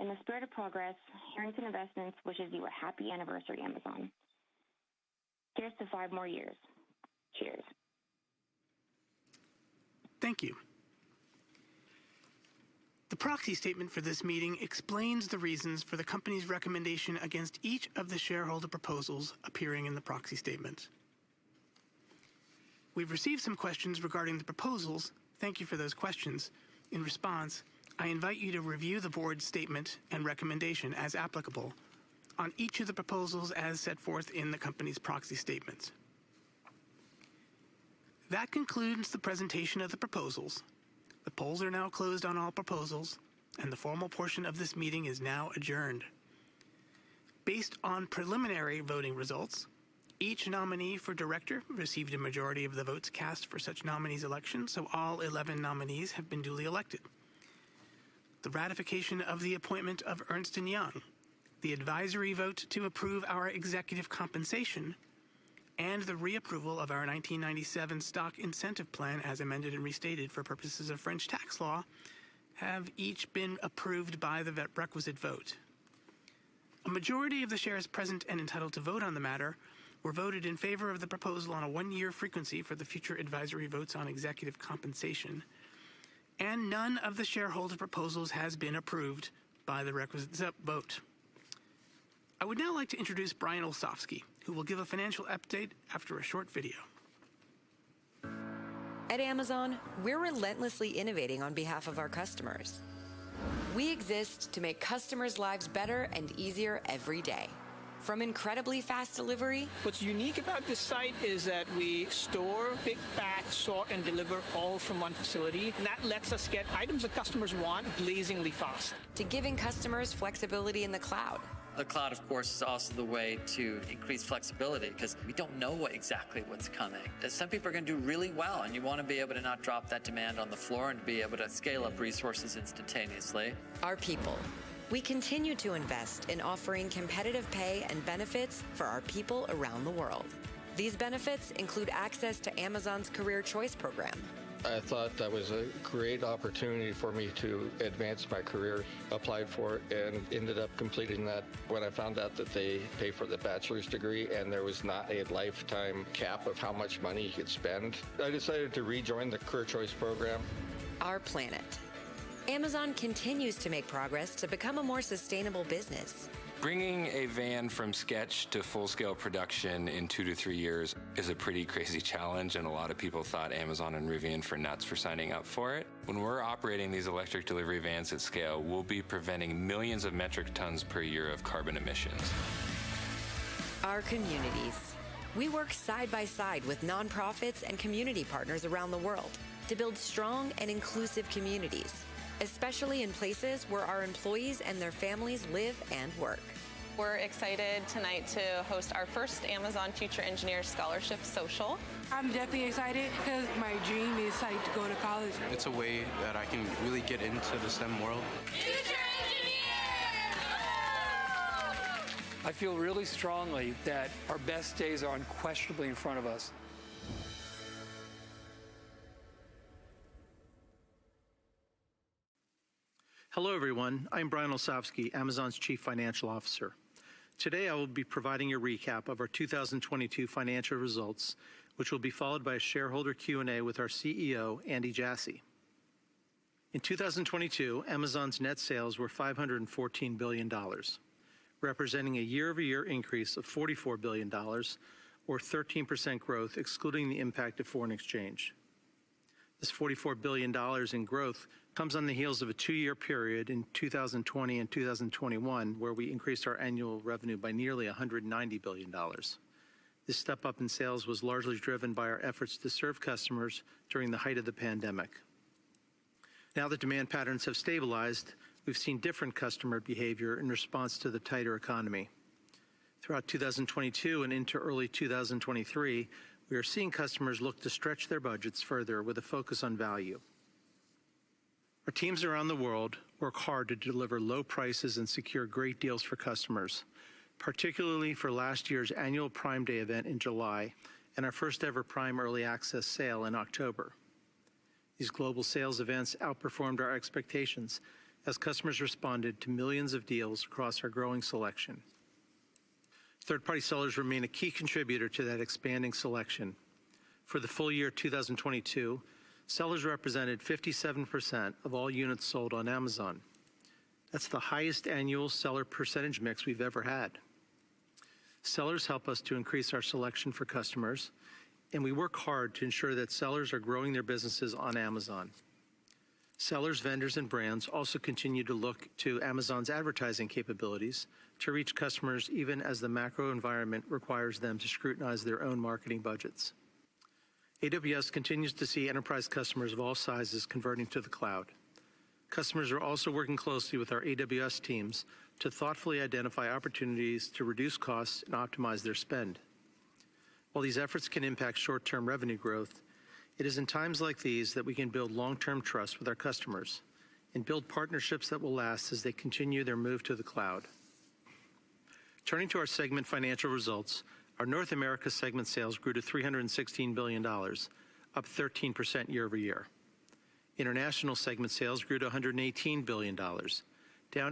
in the spirit of progress, Harrington Investments wishes you a happy anniversary, Amazon. Here's to five more years. Cheers. Thank you. The proxy statement for this meeting explains the reasons for the company's recommendation against each of the shareholder proposals appearing in the proxy statement. We've received some questions regarding the proposals. Thank you for those questions. In response, I invite you to review the board's statement and recommendation as applicable on each of the proposals as set forth in the company's proxy statements. That concludes the presentation of the proposals. The polls are now closed on all proposals, and the formal portion of this meeting is now adjourned. Based on preliminary voting results, each nominee for director received a majority of the votes cast for such nominee's election, so all 11 nominees have been duly elected. The ratification of the appointment of Ernst & Young, the advisory vote to approve our executive compensation, and the reapproval of our 1997 stock incentive plan as amended and restated for purposes of French tax law have each been approved by the requisite vote. A majority of the shares present and entitled to vote on the matter were voted in favor of the proposal on a 1-year frequency for the future advisory votes on executive compensation, and none of the shareholder proposals has been approved by the requisite vote. I would now like to introduce Brian Olsavsky, who will give a financial update after a short video. At Amazon, we're relentlessly innovating on behalf of our customers. We exist to make customers' lives better and easier every day. From incredibly fast delivery. What's unique about this site is that we store, pick, pack, sort, and deliver all from one facility, and that lets us get items that customers want blazingly fast. To giving customers flexibility in the cloud. The cloud, of course, is also the way to increase flexibility because we don't know what exactly's coming. Some people are gonna do really well, and you wanna be able to not drop that demand on the floor and be able to scale up resources instantaneously. Our people. We continue to invest in offering competitive pay and benefits for our people around the world. These benefits include access to Amazon's Career Choice program. I thought that was a great opportunity for me to advance my career. Applied for it and ended up completing that. When I found out that they pay for the bachelor's degree and there was not a lifetime cap of how much money you could spend, I decided to rejoin the Career Choice program. Our planet. Amazon continues to make progress to become a more sustainable business. Bringing a van from sketch to full-scale production in 2-3 years is a pretty crazy challenge. A lot of people thought Amazon and Rivian were nuts for signing up for it. When we're operating these electric delivery vans at scale, we'll be preventing millions of metric tons per year of carbon emissions. Our communities. We work side by side with nonprofits and community partners around the world to build strong and inclusive communities, especially in places where our employees and their families live and work. We're excited tonight to host our first Amazon Future Engineer scholarship social. I'm definitely excited because my dream is, like, to go to college. It's a way that I can really get into the STEM world. Future engineers. I feel really strongly that our best days are unquestionably in front of us. Hello everyone. I'm Brian Olsavsky, Amazon's Chief Financial Officer. Today I will be providing a recap of our 2022 financial results, which will be followed by a shareholder Q&A with our CEO, Andy Jassy. In 2022, Amazon's net sales were $514 billion, representing a year-over-year increase of $44 billion or 13% growth excluding the impact of foreign exchange. This $44 billion in growth comes on the heels of a two-year period in 2020 and 2021, where we increased our annual revenue by nearly $190 billion. This step-up in sales was largely driven by our efforts to serve customers during the height of the pandemic. Now that demand patterns have stabilized, we've seen different customer behavior in response to the tighter economy. Throughout 2022 and into early 2023, we are seeing customers look to stretch their budgets further with a focus on value. Our teams around the world work hard to deliver low prices and secure great deals for customers, particularly for last year's annual Prime Day event in July and our first ever Prime Early Access sale in October. These global sales events outperformed our expectations as customers responded to millions of deals across our growing selection. Third-party sellers remain a key contributor to that expanding selection. For the full year 2022, sellers represented 57% of all units sold on Amazon. That's the highest annual seller percentage mix we've ever had. Sellers help us to increase our selection for customers, and we work hard to ensure that sellers are growing their businesses on Amazon. Sellers, vendors, and brands also continue to look to Amazon's advertising capabilities to reach customers even as the macro environment requires them to scrutinize their own marketing budgets. AWS continues to see enterprise customers of all sizes converting to the cloud. Customers are also working closely with our AWS teams to thoughtfully identify opportunities to reduce costs and optimize their spend. While these efforts can impact short-term revenue growth, it is in times like these that we can build long-term trust with our customers and build partnerships that will last as they continue their move to the cloud. Turning to our segment financial results, our North America segment sales grew to $316 billion, up 13% year-over-year. International segment sales grew to $118 billion, down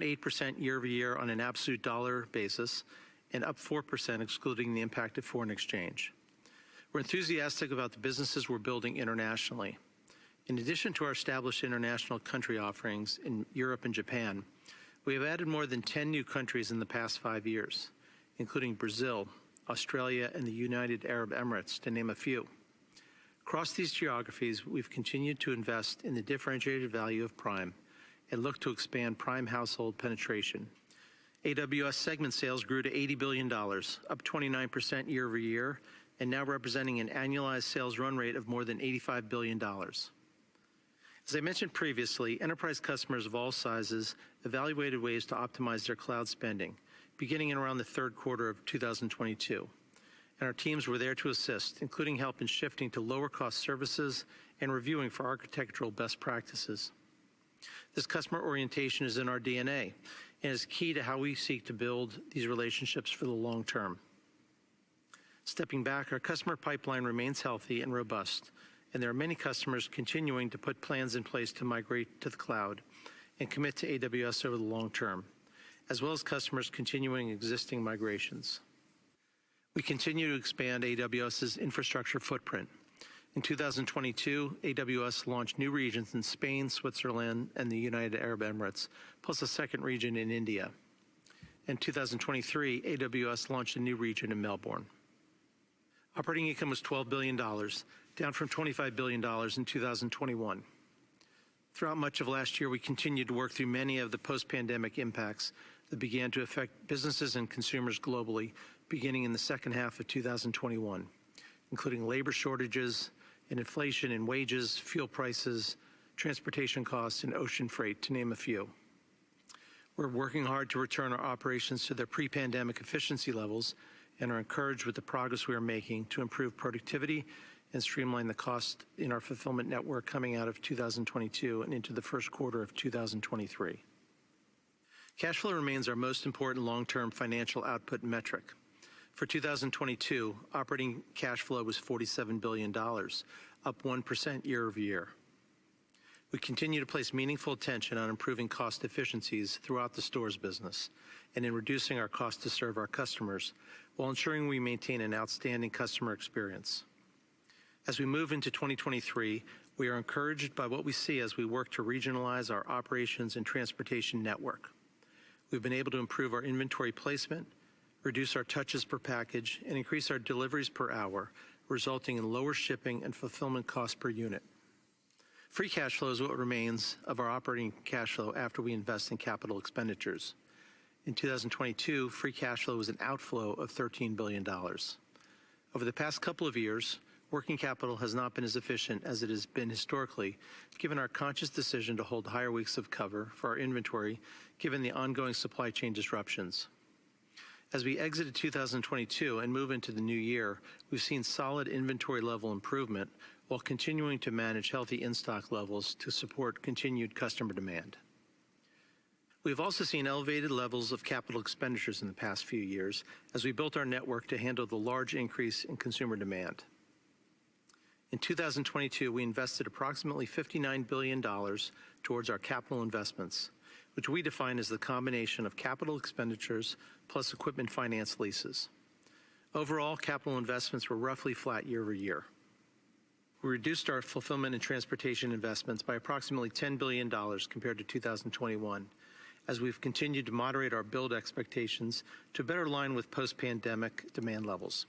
8% year-over-year on an absolute dollar basis and up 4% excluding the impact of foreign exchange. We're enthusiastic about the businesses we're building internationally. In addition to our established international country offerings in Europe and Japan, we have added more than 10 new countries in the past five years, including Brazil, Australia, and the United Arab Emirates, to name a few. Across these geographies, we've continued to invest in the differentiated value of Prime and look to expand Prime household penetration. AWS segment sales grew to $80 billion, up 29% year-over-year, and now representing an annualized sales run rate of more than $85 billion. As I mentioned previously, enterprise customers of all sizes evaluated ways to optimize their cloud spending beginning in around the third quarter of 2022, and our teams were there to assist, including help in shifting to lower cost services and reviewing for architectural best practices. This customer orientation is in our DNA and is key to how we seek to build these relationships for the long term. Stepping back, our customer pipeline remains healthy and robust, and there are many customers continuing to put plans in place to migrate to the cloud and commit to AWS over the long term, as well as customers continuing existing migrations. We continue to expand AWS's infrastructure footprint. In 2022, AWS launched new regions in Spain, Switzerland, and the United Arab Emirates, plus a second region in India. In 2023, AWS launched a new region in Melbourne. Operating income was $12 billion, down from $25 billion in 2021. Throughout much of last year, we continued to work through many of the post-pandemic impacts that began to affect businesses and consumers globally beginning in the second half of 2021, including labor shortages and inflation in wages, fuel prices, transportation costs, and ocean freight, to name a few. We're working hard to return our operations to their pre-pandemic efficiency levels and are encouraged with the progress we are making to improve productivity and streamline the cost in our fulfillment network coming out of 2022 and into the first quarter of 2023. Cash flow remains our most important long-term financial output metric. For 2022, operating cash flow was $47 billion, up 1% year-over-year. We continue to place meaningful attention on improving cost efficiencies throughout the stores business and in reducing our cost to serve our customers while ensuring we maintain an outstanding customer experience. As we move into 2023, we are encouraged by what we see as we work to regionalize our operations and transportation network. We've been able to improve our inventory placement, reduce our touches per package, and increase our deliveries per hour, resulting in lower shipping and fulfillment cost per unit. Free cash flow is what remains of our operating cash flow after we invest in capital expenditures. In 2022, free cash flow was an outflow of $13 billion. Over the past couple of years, working capital has not been as efficient as it has been historically, given our conscious decision to hold higher weeks of cover for our inventory given the ongoing supply chain disruptions. As we exited 2022 and move into the new year, we've seen solid inventory level improvement while continuing to manage healthy in-stock levels to support continued customer demand. We've also seen elevated levels of capital expenditures in the past few years as we built our network to handle the large increase in consumer demand. In 2022, we invested approximately $59 billion towards our capital investments, which we define as the combination of capital expenditures plus equipment finance leases. Overall, capital investments were roughly flat year-over-year. We reduced our fulfillment and transportation investments by approximately $10 billion compared to 2021 as we've continued to moderate our build expectations to better align with post-pandemic demand levels.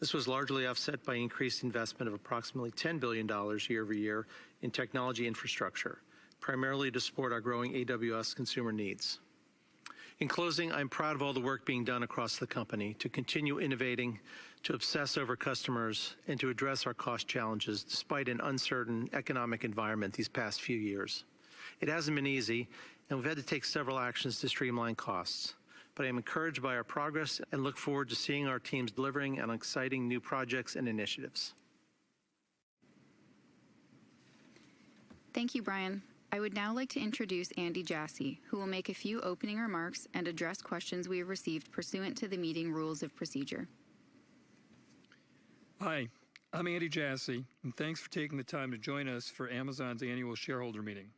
This was largely offset by increased investment of approximately $10 billion year-over-year in technology infrastructure, primarily to support our growing AWS consumer needs. In closing, I'm proud of all the work being done across the company to continue innovating, to obsess over customers, and to address our cost challenges despite an uncertain economic environment these past few years. It hasn't been easy, and we've had to take several actions to streamline costs. I'm encouraged by our progress and look forward to seeing our teams delivering on exciting new projects and initiatives. Thank you, Brian. I would now like to introduce Andy Jassy, who will make a few opening remarks and address questions we have received pursuant to the meeting rules of procedure. Hi, I'm Andy Jassy, and thanks for taking the time to join us for Amazon's annual shareholder meeting.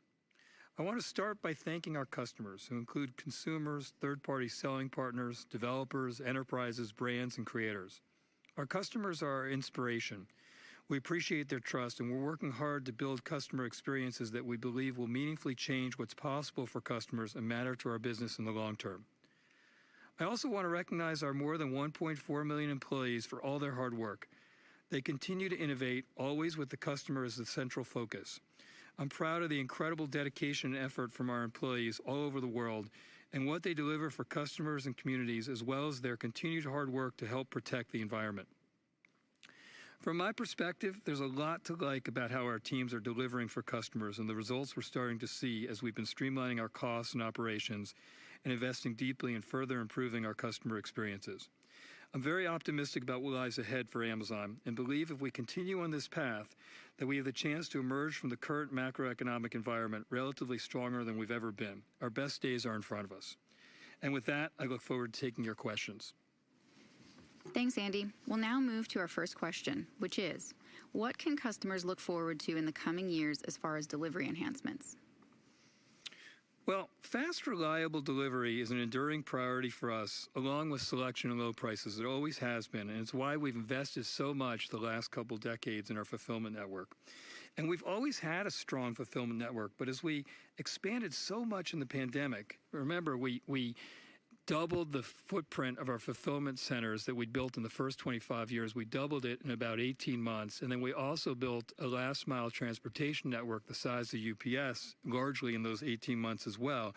I want to start by thanking our customers, who include consumers, third-party selling partners, developers, enterprises, brands, and creators. Our customers are our inspiration. We appreciate their trust, and we're working hard to build customer experiences that we believe will meaningfully change what's possible for customers and matter to our business in the long term. I also want to recognize our more than 1.4 million employees for all their hard work. They continue to innovate, always with the customer as the central focus. I'm proud of the incredible dedication and effort from our employees all over the world and what they deliver for customers and communities, as well as their continued hard work to help protect the environment. From my perspective, there's a lot to like about how our teams are delivering for customers and the results we're starting to see as we've been streamlining our costs and operations and investing deeply in further improving our customer experiences. I'm very optimistic about what lies ahead for Amazon and believe if we continue on this path, that we have the chance to emerge from the current macroeconomic environment relatively stronger than we've ever been. Our best days are in front of us. With that, I look forward to taking your questions. Thanks, Andy. We'll now move to our first question, which is: What can customers look forward to in the coming years as far as delivery enhancements? Fast, reliable delivery is an enduring priority for us, along with selection and low prices. It always has been, and it's why we've invested so much the last couple decades in our fulfillment network. We've always had a strong fulfillment network. As we expanded so much in the pandemic. Remember, we doubled the footprint of our fulfillment centers that we'd built in the first 25 years. We doubled it in about 18 months. Then we also built a last-mile transportation network the size of UPS, largely in those 18 months as well.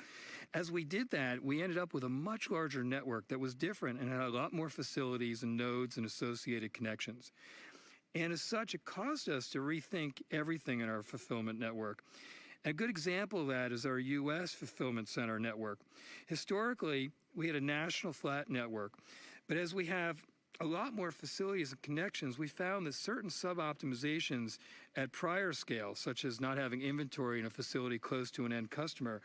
As we did that, we ended up with a much larger network that was different and had a lot more facilities and nodes and associated connections. As such, it caused us to rethink everything in our fulfillment network. A good example of that is our U.S. fulfillment center network. Historically, we had a national flat network. As we have a lot more facilities and connections, we found that certain sub-optimizations at prior scale, such as not having inventory in a facility close to an end customer,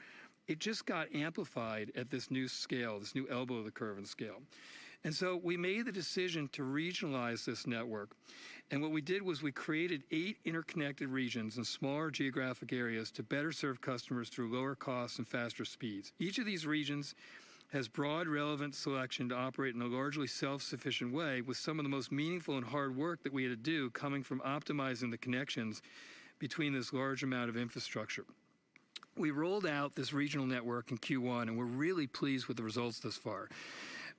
it just got amplified at this new scale, this new elbow of the curve and scale. We made the decision to regionalize this network. What we did was we created 8 interconnected regions in smaller geographic areas to better serve customers through lower costs and faster speeds. Each of these regions has broad relevant selection to operate in a largely self-sufficient way with some of the most meaningful and hard work that we had to do coming from optimizing the connections between this large amount of infrastructure. We rolled out this regional network in Q1, and we're really pleased with the results thus far.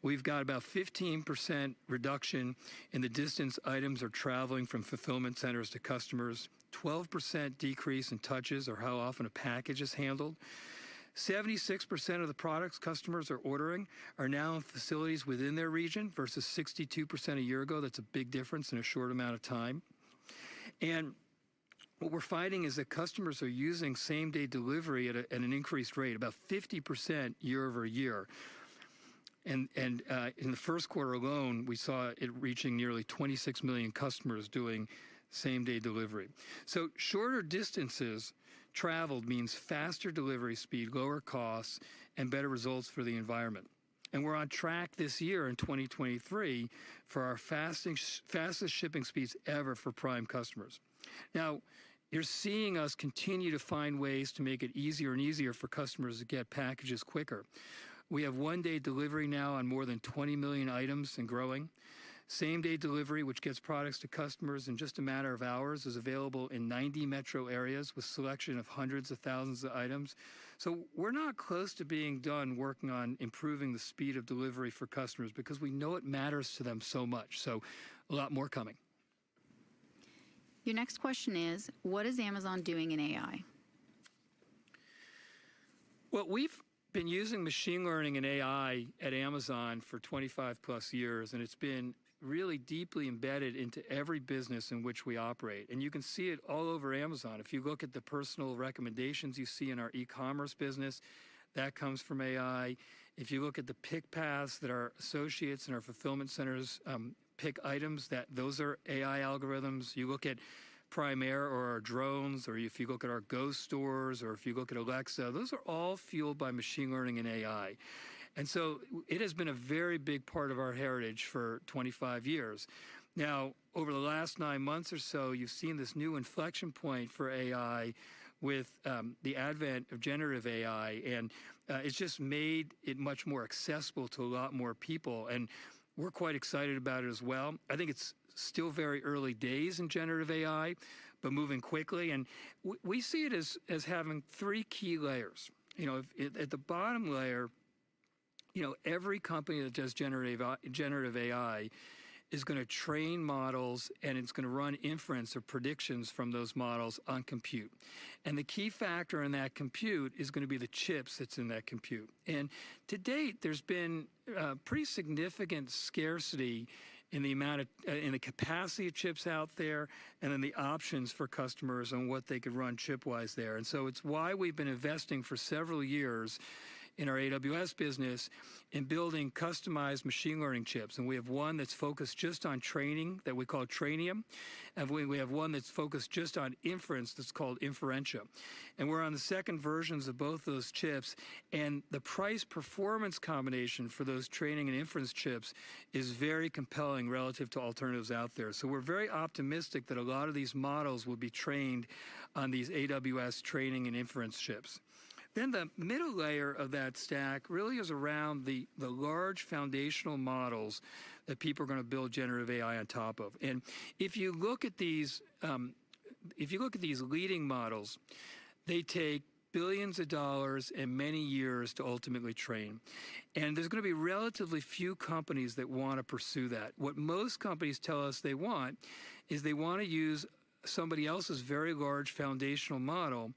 We've got about 15% reduction in the distance items are traveling from fulfillment centers to customers. 12% decrease in touches or how often a package is handled. 76% of the products customers are ordering are now in facilities within their region versus 62% a year ago. That's a big difference in a short amount of time. What we're finding is that customers are using same-day delivery at an increased rate, about 50% year-over-year. In the first quarter alone, we saw it reaching nearly 26 million customers doing same-day delivery. Shorter distances traveled means faster delivery speed, lower costs, and better results for the environment. We're on track this year in 2023 for our fastest shipping speeds ever for Prime customers. You're seeing us continue to find ways to make it easier and easier for customers to get packages quicker. We have one-day delivery now on more than 20 million items and growing. Same-day delivery, which gets products to customers in just a matter of hours, is available in 90 metro areas with selection of hundreds of thousands of items. We're not close to being done working on improving the speed of delivery for customers because we know it matters to them so much. A lot more coming. Your next question is: What is Amazon doing in AI? Well, we've been using machine learning and AI at Amazon for 25 plus years. It's been really deeply embedded into every business in which we operate. You can see it all over Amazon. If you look at the personal recommendations you see in our e-commerce business, that comes from AI. If you look at the pick paths that our associates in our fulfillment centers, pick items, those are AI algorithms. You look at Prime Air or our drones, or if you look at our Go stores, or if you look at Alexa, those are all fueled by machine learning and AI. It has been a very big part of our heritage for 25 years. Over the last nine months or so, you've seen this new inflection point for AI with the advent of generative AI, and it's just made it much more accessible to a lot more people, and we're quite excited about it as well. I think it's still very early days in generative AI, but moving quickly, and we see it as having three key layers. You know, if at the bottom layer, you know, every company that does generative AI is gonna train models, and it's gonna run inference or predictions from those models on compute. The key factor in that compute is gonna be the chips that's in that compute. To date, there's been pretty significant scarcity in the amount of, in the capacity of chips out there and in the options for customers on what they could run chip-wise there. It's why we've been investing for several years in our AWS business in building customized machine learning chips, and we have one that's focused just on training that we call Trainium, and we have one that's focused just on inference that's called Inferentia. We're on the second versions of both those chips, and the price-performance combination for those training and inference chips is very compelling relative to alternatives out there. We're very optimistic that a lot of these models will be trained on these AWS training and inference chips. The middle layer of that stack really is around the large foundational models that people are gonna build generative AI on top of. If you look at these leading models, they take billions of dollars and many years to ultimately train. There's gonna be relatively few companies that wanna pursue that. What most companies tell us they want is they wanna use somebody else's very large foundational model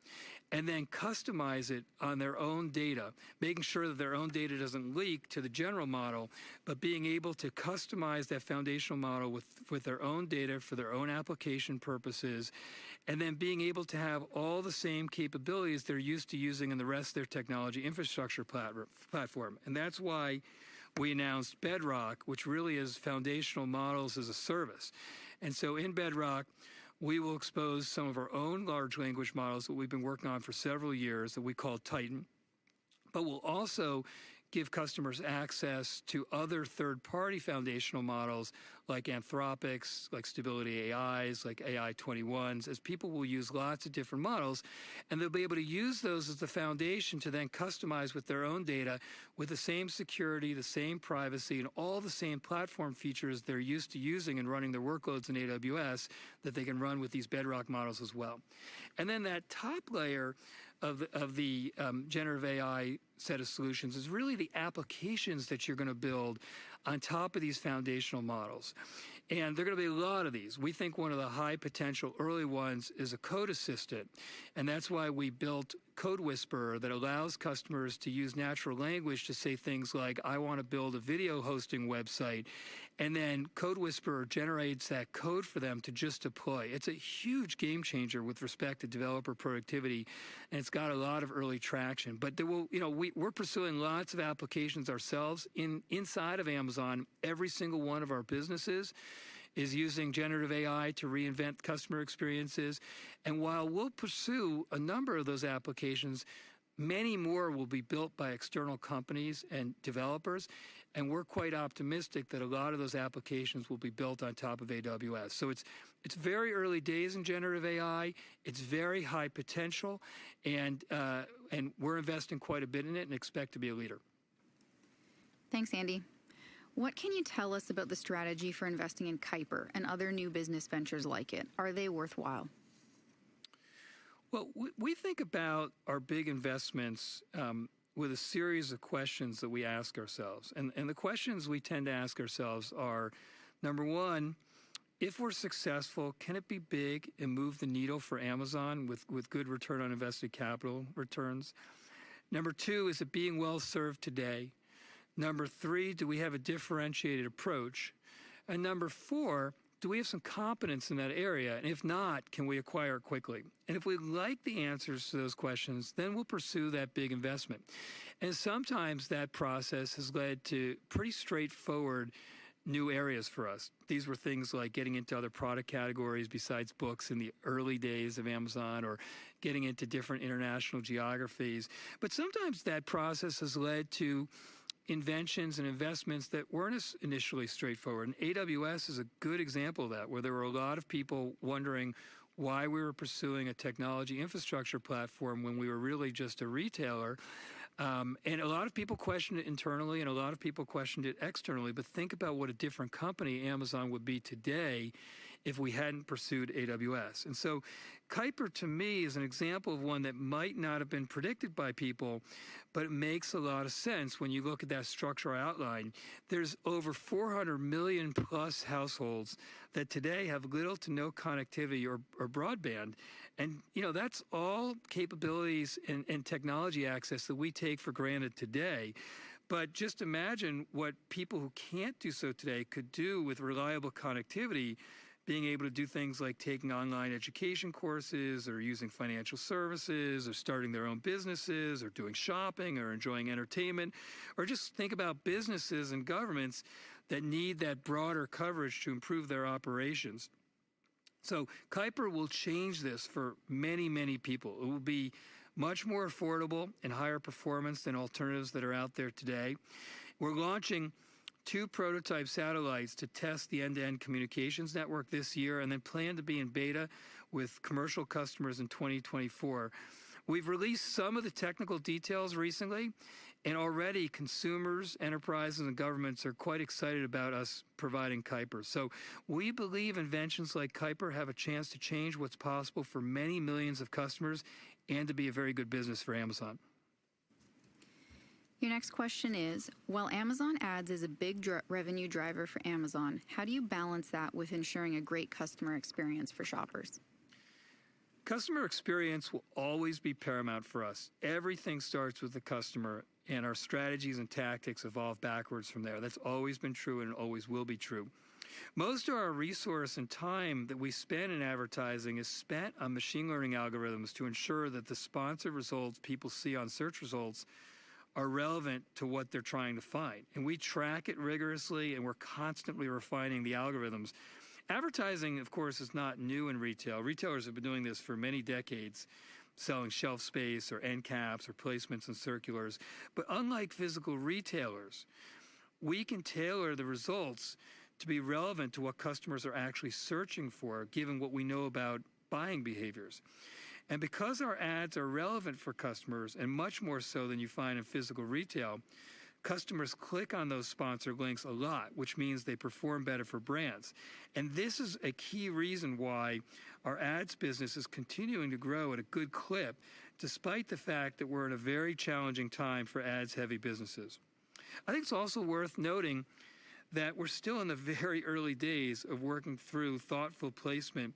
and then customize it on their own data, making sure that their own data doesn't leak to the general model, but being able to customize that foundational model with their own data for their own application purposes, and then being able to have all the same capabilities they're used to using in the rest of their technology infrastructure platform. That's why we announced Bedrock, which really is foundational models as a service. In Bedrock, we will expose some of our own large language models that we've been working on for several years that we call Titan, but we'll also give customers access to other third-party foundational models like Anthropic's, like Stability AI's, like AI21's, as people will use lots of different models, and they'll be able to use those as the foundation to then customize with their own data with the same security, the same privacy, and all the same platform features they're used to using in running their workloads in AWS that they can run with these Bedrock models as well. Then that top layer of the generative AI set of solutions is really the applications that you're gonna build on top of these foundational models. There are gonna be a lot of these. We think one of the high potential early ones is a code assistant, and that's why we built CodeWhisperer that allows customers to use natural language to say things like, "I wanna build a video hosting website," and then CodeWhisperer generates that code for them to just deploy. It's a huge game changer with respect to developer productivity, and it's got a lot of early traction. You know, we're pursuing lots of applications ourselves inside of Amazon. Every single one of our businesses is using generative AI to reinvent customer experiences. While we'll pursue a number of those applications, many more will be built by external companies and developers, and we're quite optimistic that a lot of those applications will be built on top of AWS. It's, it's very early days in generative AI. It's very high potential, and we're investing quite a bit in it and expect to be a leader. Thanks, Andy. What can you tell us about the strategy for investing in Kuiper and other new business ventures like it? Are they worthwhile? Well, we think about our big investments with a series of questions that we ask ourselves. The questions we tend to ask ourselves are, number one, if we're successful, can it be big and move the needle for Amazon with good return on invested capital returns? Number two, is it being well-served today? Number three, do we have a differentiated approach? Number four, do we have some competence in that area, and if not, can we acquire it quickly? If we like the answers to those questions, we'll pursue that big investment. Sometimes that process has led to pretty straightforward new areas for us. These were things like getting into other product categories besides books in the early days of Amazon or getting into different international geographies. Sometimes that process has led to inventions and investments that weren't as initially straightforward. AWS is a good example of that, where there were a lot of people wondering why we were pursuing a technology infrastructure platform when we were really just a retailer. A lot of people questioned it internally, and a lot of people questioned it externally. Think about what a different company Amazon would be today if we hadn't pursued AWS. Kuiper, to me, is an example of one that might not have been predicted by people but makes a lot of sense when you look at that structural outline. There's over 400 million-plus households that today have little to no connectivity or broadband, and, you know, that's all capabilities and technology access that we take for granted today. Just imagine what people who can't do so today could do with reliable connectivity, being able to do things like taking online education courses or using financial services or starting their own businesses or doing shopping or enjoying entertainment or just think about businesses and governments that need that broader coverage to improve their operations. Kuiper will change this for many, many people. It will be much more affordable and higher performance than alternatives that are out there today. We're launching two prototype satellites to test the end-to-end communications network this year, then plan to be in beta with commercial customers in 2024. We've released some of the technical details recently, already consumers, enterprises, and governments are quite excited about us providing Kuiper. We believe inventions like Kuiper have a chance to change what's possible for many millions of customers and to be a very good business for Amazon. Your next question is: While Amazon Ads is a big revenue driver for Amazon, how do you balance that with ensuring a great customer experience for shoppers? Customer experience will always be paramount for us. Everything starts with the customer. Our strategies and tactics evolve backwards from there. That's always been true and always will be true. Most of our resource and time that we spend in advertising is spent on machine learning algorithms to ensure that the sponsor results people see on search results are relevant to what they're trying to find. We track it rigorously, and we're constantly refining the algorithms. Advertising, of course, is not new in retail. Retailers have been doing this for many decades, selling shelf space or end caps or placements in circulars. Unlike physical retailers, we can tailor the results to be relevant to what customers are actually searching for, given what we know about buying behaviors. Because our ads are relevant for customers and much more so than you find in physical retail, customers click on those sponsor links a lot, which means they perform better for brands. This is a key reason why our ads business is continuing to grow at a good clip, despite the fact that we're in a very challenging time for ads-heavy businesses. I think it's also worth noting that we're still in the very early days of working through thoughtful placement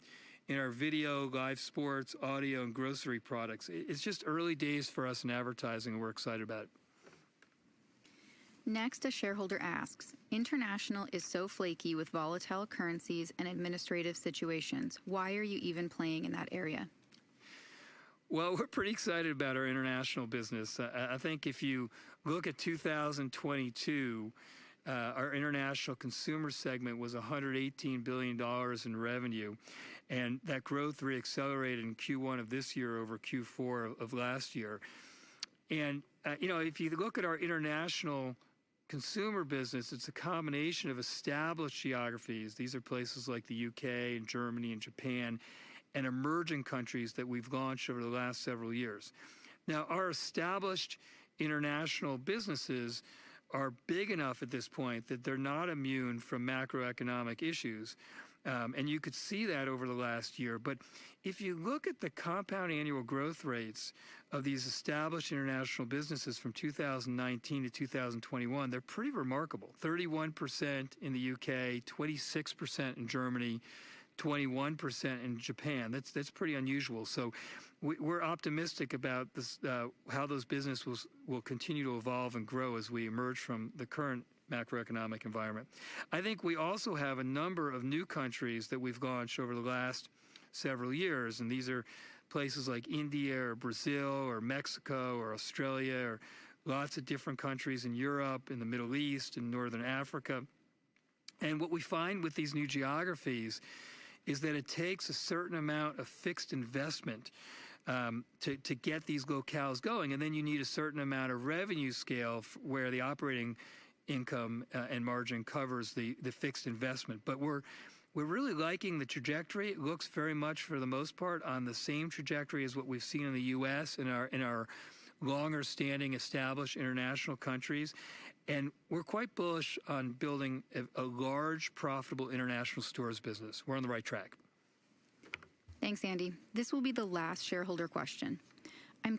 in our video, live sports, audio, and grocery products. It's just early days for us in advertising, and we're excited about it. A shareholder asks: International is so flaky with volatile currencies and administrative situations. Why are you even playing in that area? Well, we're pretty excited about our international business. I think if you look at 2022, our international consumer segment was $118 billion in revenue, and that growth re-accelerated in Q1 of this year over Q4 of last year. You know, if you look at our international consumer business, it's a combination of established geographies. These are places like the U.K. and Germany and Japan and emerging countries that we've launched over the last several years. Now, our established international businesses are big enough at this point that they're not immune from macroeconomic issues, and you could see that over the last year. If you look at the compound annual growth rates of these established international businesses from 2019 to 2021, they're pretty remarkable. 31% in the U.K., 26% in Germany, 21% in Japan. That's pretty unusual. We're optimistic about this, how those businesses will continue to evolve and grow as we emerge from the current macroeconomic environment. I think we also have a number of new countries that we've launched over the last several years, these are places like India or Brazil or Mexico or Australia or lots of different countries in Europe, in the Middle East, in Northern Africa. What we find with these new geographies is that it takes a certain amount of fixed investment to get these locales going, and then you need a certain amount of revenue scale where the operating income and margin covers the fixed investment. We're really liking the trajectory. It looks very much, for the most part, on the same trajectory as what we've seen in the US in our longer-standing, established international countries. We're quite bullish on building a large, profitable international stores business. We're on the right track. Thanks, Andy. This will be the last shareholder question. I'm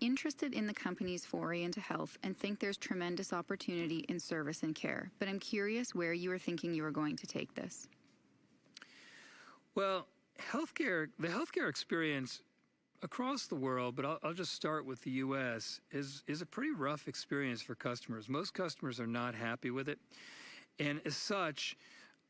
interested in the company's foray into health and think there's tremendous opportunity in service and care, but I'm curious where you are thinking you are going to take this. Well, healthcare, the healthcare experience across the world, but I'll just start with the U.S., is a pretty rough experience for customers. Most customers are not happy with it, as such,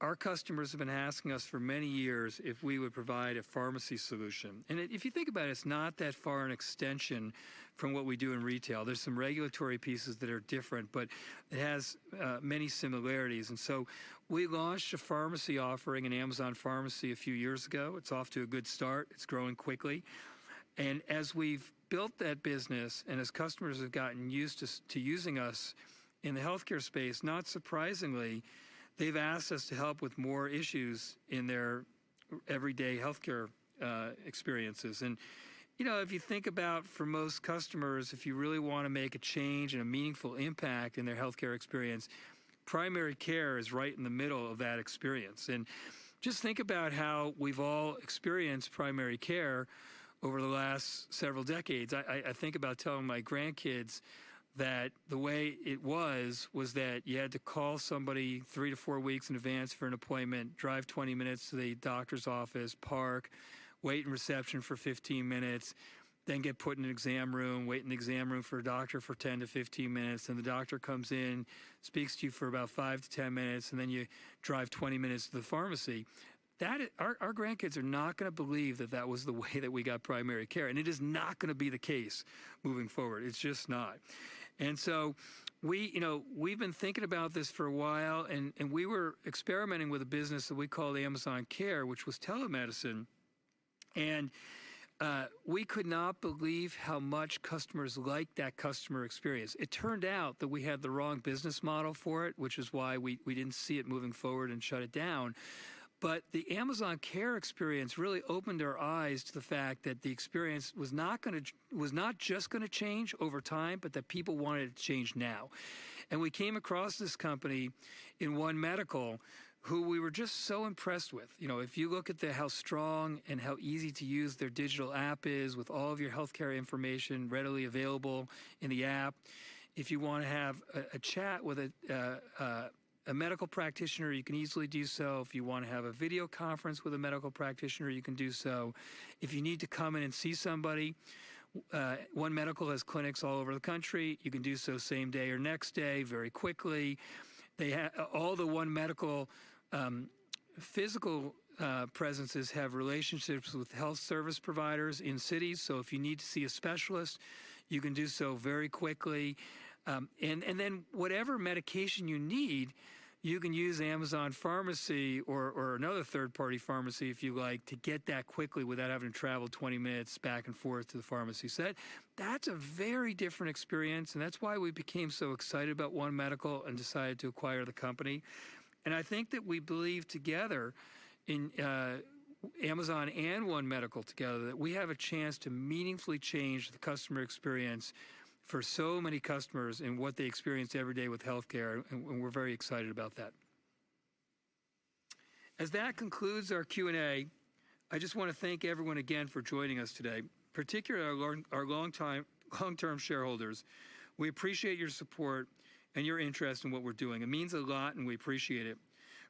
our customers have been asking us for many years if we would provide a pharmacy solution. If you think about it's not that far an extension from what we do in retail. There's some regulatory pieces that are different, but it has many similarities. We launched a pharmacy offering in Amazon Pharmacy a few years ago. It's off to a good start. It's growing quickly. As we've built that business and as customers have gotten used to using us in the healthcare space, not surprisingly, they've asked us to help with more issues in their everyday healthcare experiences. You know, if you think about for most customers, if you really wanna make a change and a meaningful impact in their healthcare experience, primary care is right in the middle of that experience. Just think about how we've all experienced primary care over the last several decades. I think about telling my grandkids that the way it was was that you had to call somebody three to four weeks in advance for an appointment, drive 20 minutes to the doctor's office, park, wait in reception for 15 minutes, then get put in an exam room, wait in the exam room for a doctor for 10 to 15 minutes, and the doctor comes in, speaks to you for about 5 to 10 minutes, and then you drive 20 minutes to the pharmacy. Our grandkids are not gonna believe that that was the way that we got primary care, and it is not gonna be the case moving forward. It's just not. We, you know, we've been thinking about this for a while, we were experimenting with a business that we call Amazon Care, which was telemedicine. And we could not believe how much customers liked that customer experience. It turned out that we had the wrong business model for it, which is why we didn't see it moving forward and shut it down. The Amazon Care experience really opened our eyes to the fact that the experience was not gonna was not just gonna change over time, but that people wanted it to change now. We came across this company in One Medical who we were just so impressed with. You know, if you look at how strong and how easy to use their digital app is with all of your healthcare information readily available in the app. If you wanna have a chat with a medical practitioner, you can easily do so. If you wanna have a video conference with a medical practitioner, you can do so. If you need to come in and see somebody, One Medical has clinics all over the country. You can do so same day or next day, very quickly. All the One Medical physical presences have relationships with health service providers in cities, so if you need to see a specialist, you can do so very quickly. Then whatever medication you need, you can use Amazon Pharmacy or another third-party pharmacy if you like, to get that quickly without having to travel 20 minutes back and forth to the pharmacy. That's a very different experience, and that's why we became so excited about One Medical and decided to acquire the company. I think that we believe together in Amazon and One Medical together, that we have a chance to meaningfully change the customer experience for so many customers in what they experience every day with healthcare, and we're very excited about that. As that concludes our Q&A, I just wanna thank everyone again for joining us today, particularly our long-term shareholders. We appreciate your support and your interest in what we're doing. It means a lot, and we appreciate it.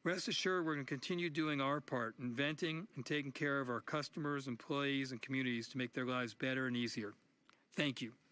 Rest assured we're gonna continue doing our part, inventing and taking care of our customers, employees, and communities to make their lives better and easier. Thank you.